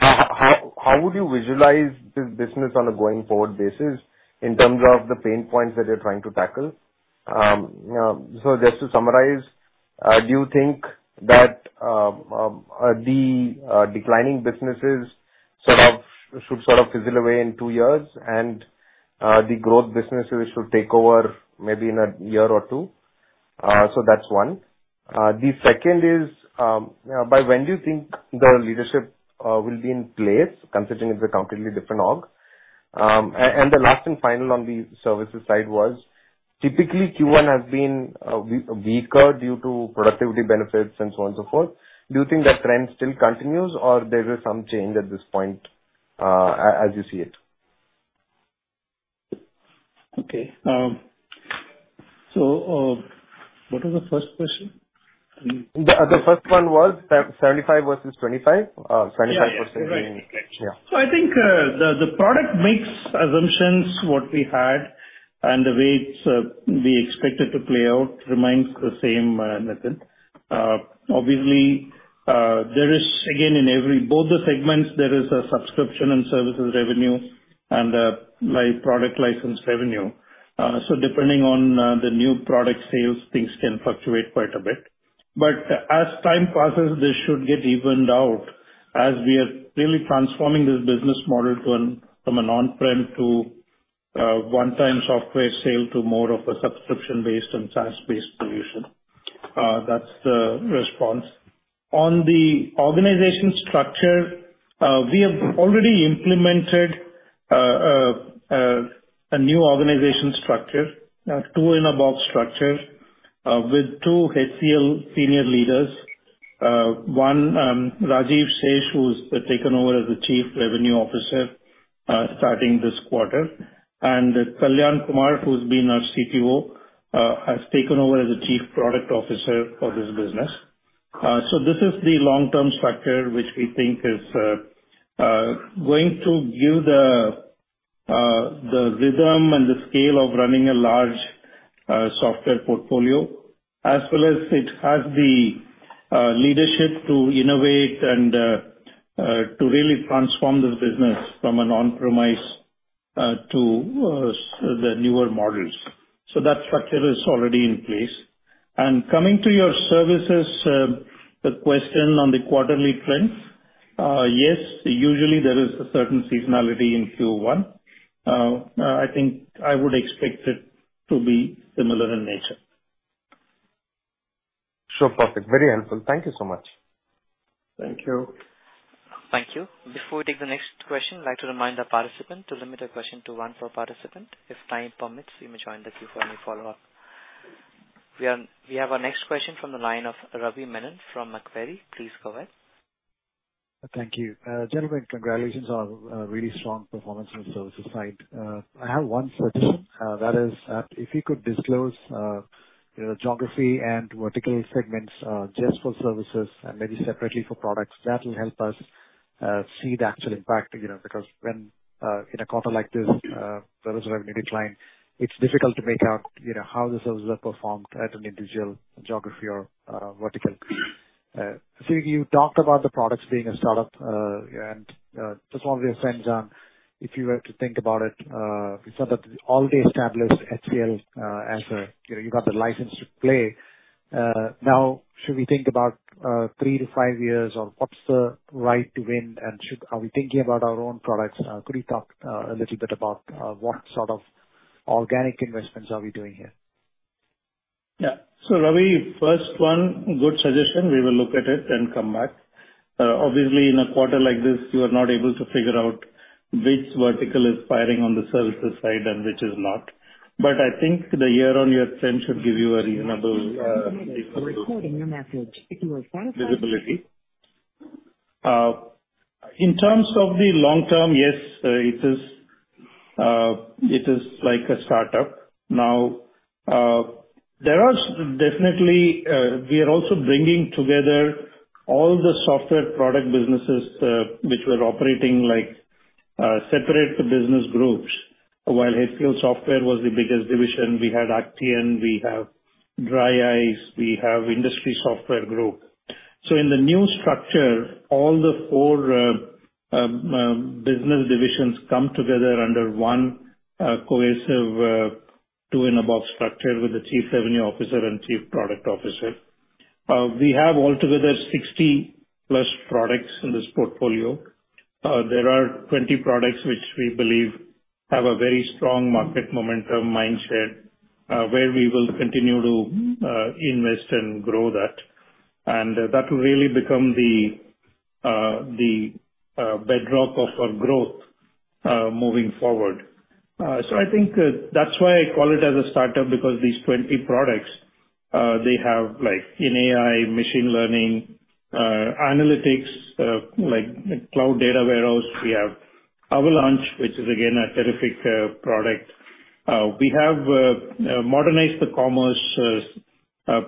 how would you visualize this business on a going forward basis in terms of the pain points that you're trying to tackle? Just to summarize, do you think that the declining businesses should fizzle away in two years and the growth businesses should take over maybe in a year or two? That's one. The second is, by when do you think the leadership will be in place, considering it's a completely different org? And the last and final on the services side was typically Q1 has been weaker due to productivity benefits and so on and so forth. Do you think that trend still continues or there is some change at this point, as you see it? Okay. What was the first question? The first one was 75% versus 25. 25%. Yeah. Right. Yeah. I think the product mix assumptions what we had and the way we expect it to play out remains the same, Nitin. Obviously, there is again in both the segments there is a subscription and services revenue and product license revenue. Depending on the new product sales, things can fluctuate quite a bit. As time passes, this should get evened out as we are really transforming this business model from an on-prem to a one-time software sale to more of a subscription-based and SaaS-based solution. That's the response. On the organization structure, we have already implemented a new organization structure, a two-in-a-box structure with two HCL senior leaders. One, Rajiv Shesh who's taken over as the Chief Revenue Officer starting this quarter. Kalyan Kumar, who's been our CPO, has taken over as the Chief Product Officer for this business. This is the long-term structure which we think is going to give the rhythm and the scale of running a large software portfolio, as well as it has the leadership to innovate and to really transform this business from an on-premise to the newer models. That structure is already in place. Coming to your services, the question on the quarterly trends, yes, usually there is a certain seasonality in Q1. I think I would expect it to be similar in nature. Sure. Perfect. Very helpful. Thank you so much. Thank you. Thank you. Before we take the next question, I'd like to remind our participant to limit their question to one per participant. If time permits, you may join the queue for any follow-up. We have our next question from the line of Ravi Menon from Macquarie. Please go ahead. Thank you. Gentlemen, congratulations on really strong performance on the services side. I have one suggestion, that is, if you could disclose, you know, geography and vertical segments, just for services and maybe separately for products, that will help us see the actual impact, you know. Because when in a quarter like this, service revenue decline, it's difficult to make out, you know, how the services are performed at an individual geography or vertical. CV, you talked about the products being a startup, and just wanted your sense on if you were to think about it, you said that all the established HCL, as a, you know, you got the license to play. Now should we think about three to five years or what's the right to win? Are we thinking about our own products? Could you talk a little bit about what sort of organic investments are we doing here? Yeah. Ravi, first one, good suggestion. We will look at it and come back. Obviously in a quarter like this you are not able to figure out which vertical is firing on the services side and which is not. I think the year-on-year trend should give you a reasonable visibility. In terms of the long term, yes, it is like a startup now. There are definitely we are also bringing together all the software product businesses, which were operating like separate business groups. While HCLSoftware was the biggest division, we had Actian, we have DRYiCE, we have Industry Software Division. In the new structure, all the four business divisions come together under one cohesive two-in-a-box structure with the Chief Revenue Officer and Chief Product Officer. We have all together 60+ products in this portfolio. There are 20 products which we believe have a very strong market momentum mind share, where we will continue to invest and grow that. That will really become the bedrock of our growth moving forward. I think that's why I call it as a startup, because these 20 products they have like in AI, machine learning, analytics, like cloud data warehouse. We have Avalanche, which is again a terrific product. We have modernized the commerce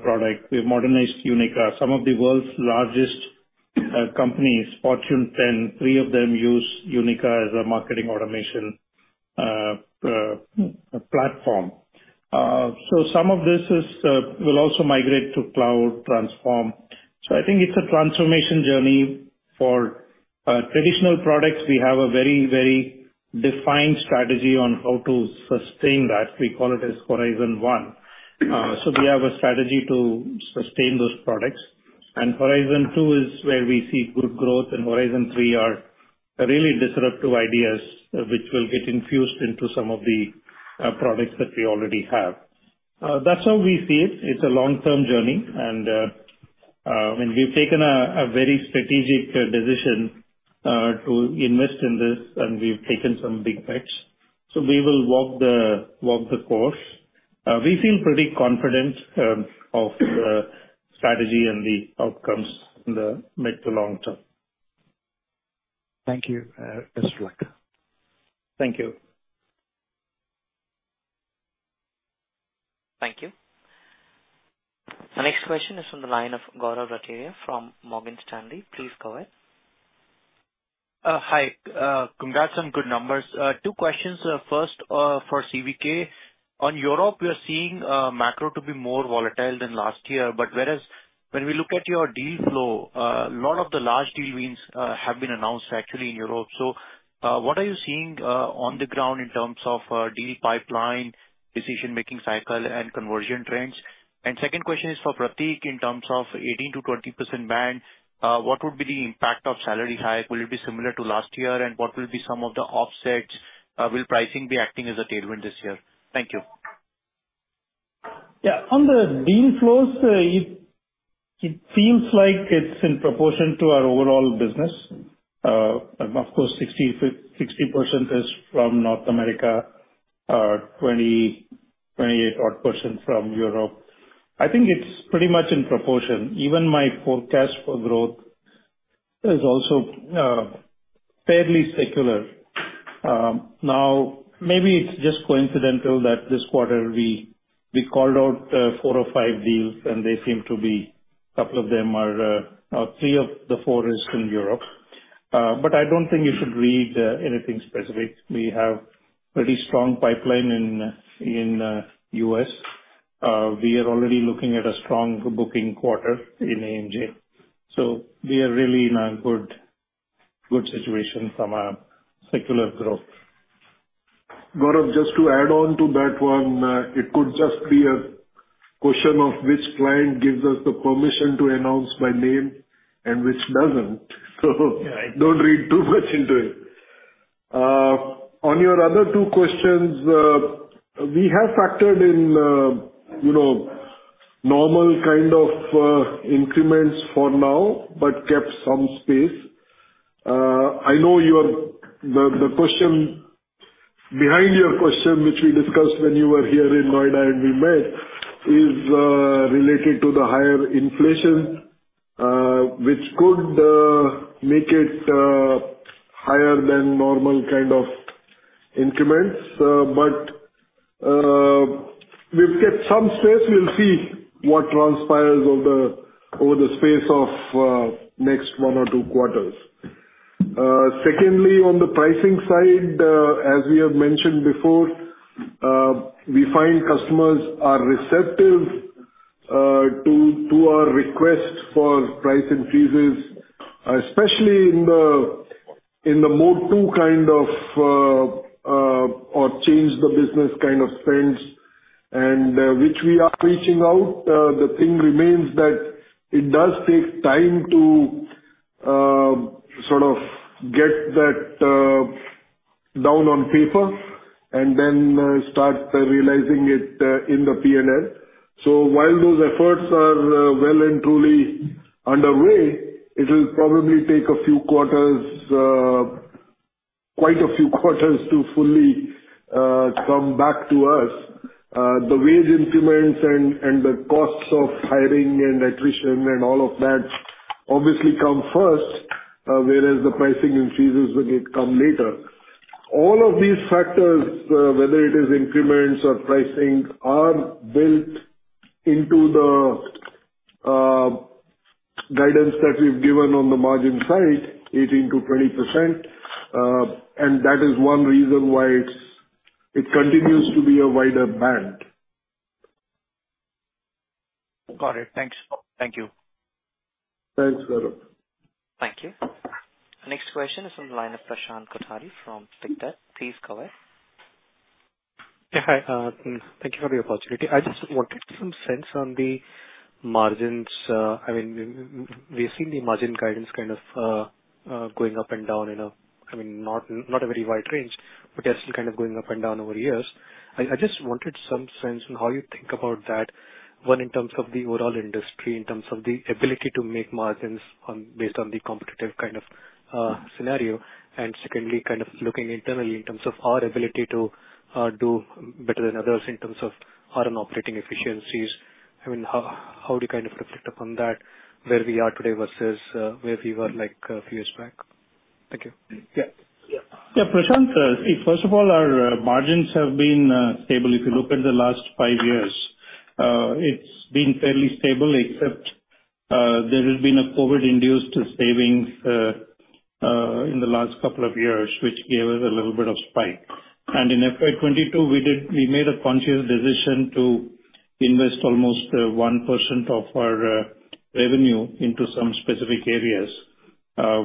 product. We've modernized Unica. Some of the world's largest companies, Fortune 10, three of them use Unica as a marketing automation platform. Some of this will also migrate to cloud transform. I think it's a transformation journey. For traditional products we have a very, very defined strategy on how to sustain that. We call it as Horizon One. We have a strategy to sustain those products. Horizon 2 is where we see good growth. Horizon Three are really disruptive ideas which will get infused into some of the products that we already have. That's how we see it. It's a long-term journey and we've taken a very strategic decision to invest in this and we've taken some big bets, so we will walk the course. We feel pretty confident of the strategy and the outcomes in the mid to long term. Thank you. Best of luck. Thank you. Thank you. The next question is from the line of Gaurav Rateria from Morgan Stanley. Please go ahead. Hi. Congrats on good numbers. Two questions. First, for CVK. On Europe, we are seeing macro to be more volatile than last year, but whereas when we look at your deal flow, a lot of the large deal wins have been announced actually in Europe. What are you seeing on the ground in terms of deal pipeline, decision-making cycle and conversion trends? Second question is for Prateek, in terms of 18%-20% band, what would be the impact of salary hike? Will it be similar to last year? What will be some of the offsets? Will pricing be acting as a tailwind this year? Thank you. Yeah. On the deal flows, it seems like it's in proportion to our overall business. Of course 60% is from North America, 28% from Europe. I think it's pretty much in proportion. Even my forecast for growth is also fairly secular. Now maybe it's just coincidental that this quarter we called out four or five deals and they seem to be a couple of them are or three of the four is in Europe. But I don't think you should read anything specific. We have pretty strong pipeline in the U.S. We are already looking at a strong booking quarter in AMJ. We are really in a good situation from a secular growth. Gaurav, just to add on to that one. It could just be a question of which client gives us the permission to announce by name and which doesn't. Yeah. Don't read too much into it. On your other two questions, we have factored in, you know, normal kind of increments for now, but kept some space. I know the question behind your question, which we discussed when you were here in Noida and we met, is related to the higher inflation, which could make it higher than normal kind of increments. But we've kept some space. We'll see what transpires over the space of next one or two quarters. Secondly, on the pricing side, as we have mentioned before, we find customers are receptive to our request for price increases, especially in the Mode 2 kind of or change the business kind of spends and which we are reaching out. The thing remains that it does take time to sort of get that down on paper and then start realizing it in the P&L. While those efforts are well and truly underway, it'll probably take a few quarters, quite a few quarters to fully come back to us. The wage increments and the costs of hiring and attrition and all of that obviously come first, whereas the pricing increases will come later. All of these factors, whether it is increments or pricing, are built into the guidance that we've given on the margin side, 18%-20%. That is one reason why it continues to be a wider band. Got it. Thanks. Thank you. Thanks, Gaurav. Thank you. Next question is from the line of Prashant Kothari from Pictet. Please go ahead. Yeah, hi. Thank you for the opportunity. I just wanted some sense on the margins. I mean, we've seen the margin guidance kind of going up and down in a, I mean, not a very wide range, but they're still kind of going up and down over years. I just wanted some sense on how you think about that, one, in terms of the overall industry, in terms of the ability to make margins on, based on the competitive kind of scenario. Secondly, kind of looking internally in terms of our ability to do better than others in terms of our own operating efficiencies. I mean, how do you kind of reflect upon that, where we are today versus where we were, like, a few years back? Thank you. Yeah. Yeah, Prashant, first of all, our margins have been stable. If you look at the last five years, it's been fairly stable except there has been a COVID-induced savings in the last couple of years, which gave us a little bit of spike. In FY 2022, we made a conscious decision to invest almost 1% of our revenue into some specific areas,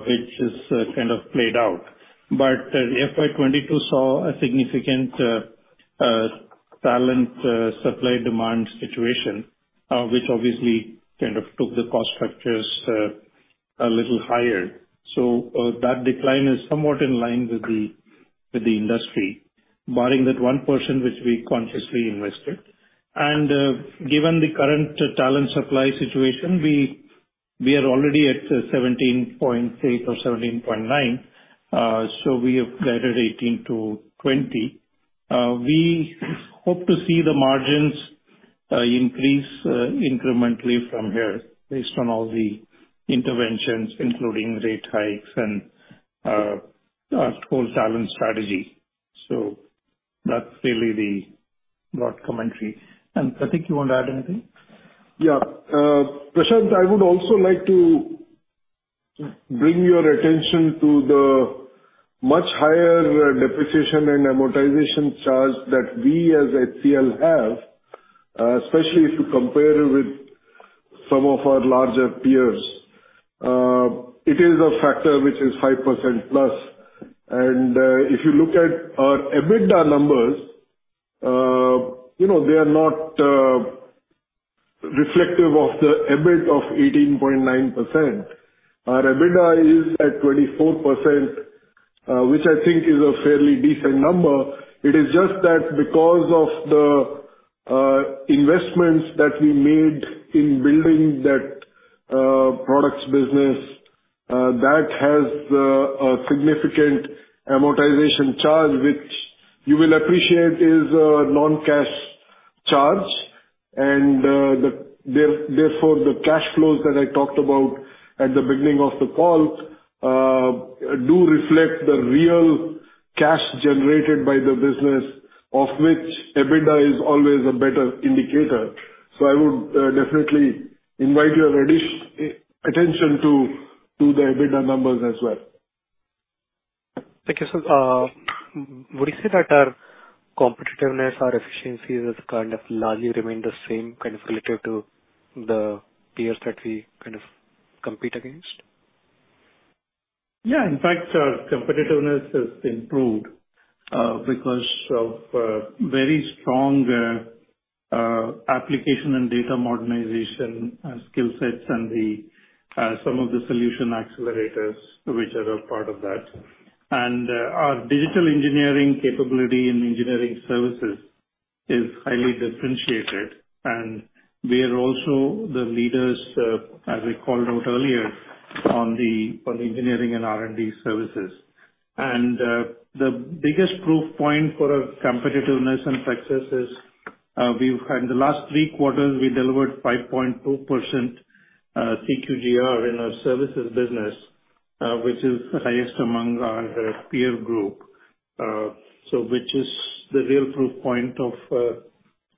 which is kind of played out. FY 2022 saw a significant talent supply demand situation, which obviously kind of took the cost structures a little higher. That decline is somewhat in line with the industry, barring that one percent which we consciously invested. Given the current talent supply situation, we are already at 17.8% or 17.9%, so we have guided 18%-20%. We hope to see the margins increase incrementally from here based on all the interventions, including rate hikes and our total talent strategy. That's really the broad commentary. Prateek, you want to add anything? Yeah. Prashant, I would also like to bring your attention to the much higher depreciation and amortization charge that we as HCL have, especially if you compare with some of our larger peers. It is a factor which is 5%+. If you look at our EBITDA numbers, you know, they are not reflective of the EBIT of 18.9%. Our EBITDA is at 24%, which I think is a fairly decent number. It is just that because of the investments that we made in building that products business, that has a significant amortization charge, which you will appreciate is a non-cash charge. Therefore, the cash flows that I talked about at the beginning of the call do reflect the real cash generated by the business, of which EBITDA is always a better indicator. I would definitely invite your attention to the EBITDA numbers as well. Thank you, sir. Would you say that our competitiveness, our efficiency has kind of largely remained the same, kind of relative to the peers that we kind of compete against? Yeah. In fact, our competitiveness has improved because of very strong application and data modernization skill sets and the some of the solution accelerators which are a part of that. Our digital engineering capability in engineering services is highly differentiated. We are also the leaders as we called out earlier on the engineering and R&D services. The biggest proof point for our competitiveness and success is, in the last three quarters, we delivered 5.2% CQGR in our services business, which is the highest among our peer group, so which is the real proof point of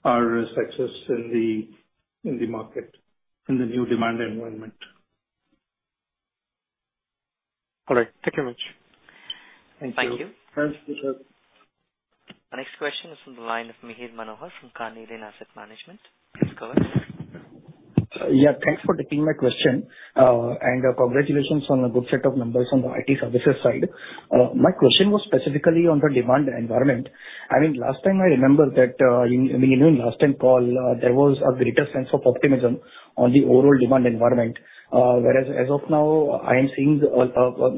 our success in the market in the new demand environment. All right. Thank you much. Thank you. Thank you. Thanks, Rishabh. Our next question is from the line of Mihir Manohar from Carnelian Asset Management. Please go ahead. Yeah, thanks for taking my question. Congratulations on a good set of numbers on the IT services side. My question was specifically on the demand environment. I mean, last time I remember that, I mean, even last time call, there was a greater sense of optimism on the overall demand environment. Whereas as of now, I am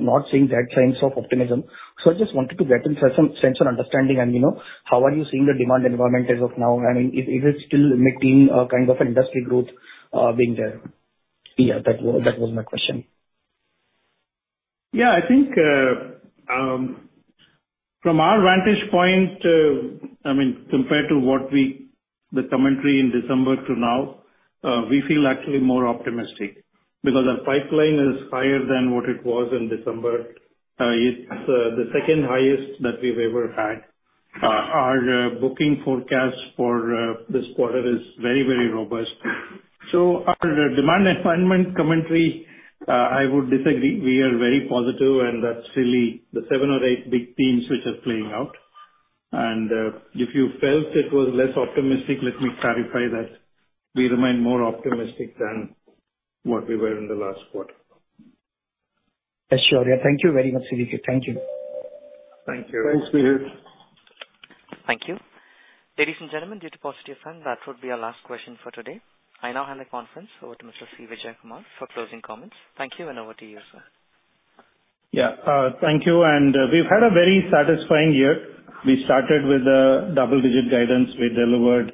not seeing those signs of optimism. I just wanted to get a sense and understanding and, you know, how are you seeing the demand environment as of now? Is it still making a kind of industry growth, being there? Yeah, that was my question. Yeah, I think, from our vantage point, I mean, compared to the commentary in December to now, we feel actually more optimistic because our pipeline is higher than what it was in December. It's the second highest that we've ever had. Our booking forecast for this quarter is very, very robust. So our demand environment commentary, I would disagree. We are very positive, and that's really the seven or eight big themes which are playing out. If you felt it was less optimistic, let me clarify that we remain more optimistic than what we were in the last quarter. Yes, sure. Yeah. Thank you very much, CVK. Thank you. Thank you. Thanks Mihir. Thank you. Ladies and gentlemen, due to time constraints, that would be our last question for today. I now hand the conference over to Mr. C. Vijayakumar for closing comments. Thank you, and over to you, sir. Thank you. We've had a very satisfying year. We started with a double-digit guidance. We delivered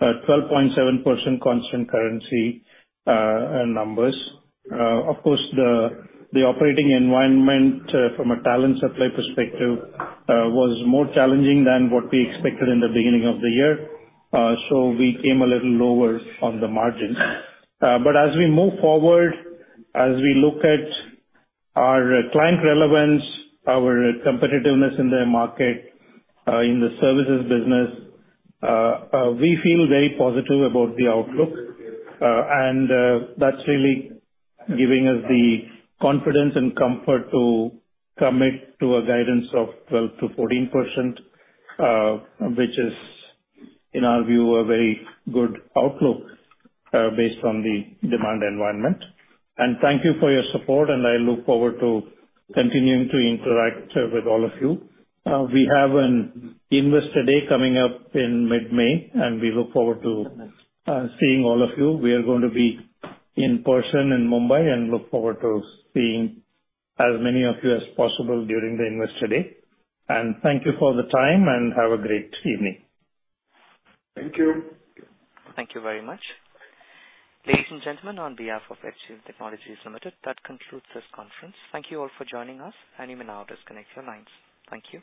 12.7% constant currency numbers. Of course the operating environment from a talent supply perspective was more challenging than what we expected in the beginning of the year. We came a little lower on the margins. As we move forward, as we look at our client relevance, our competitiveness in the market in the services business, we feel very positive about the outlook. That's really giving us the confidence and comfort to commit to a guidance of 12%-14%, which is, in our view, a very good outlook based on the demand environment. Thank you for your support, and I look forward to continuing to interact with all of you. We have an investor day coming up in mid-May, and we look forward to seeing all of you. We are going to be in person in Mumbai and look forward to seeing as many of you as possible during the investor day. Thank you for the time, and have a great evening. Thank you. Thank you very much. Ladies and gentlemen, on behalf of HCL Technologies Limited, that concludes this conference. Thank you all for joining us, and you may now disconnect your lines. Thank you.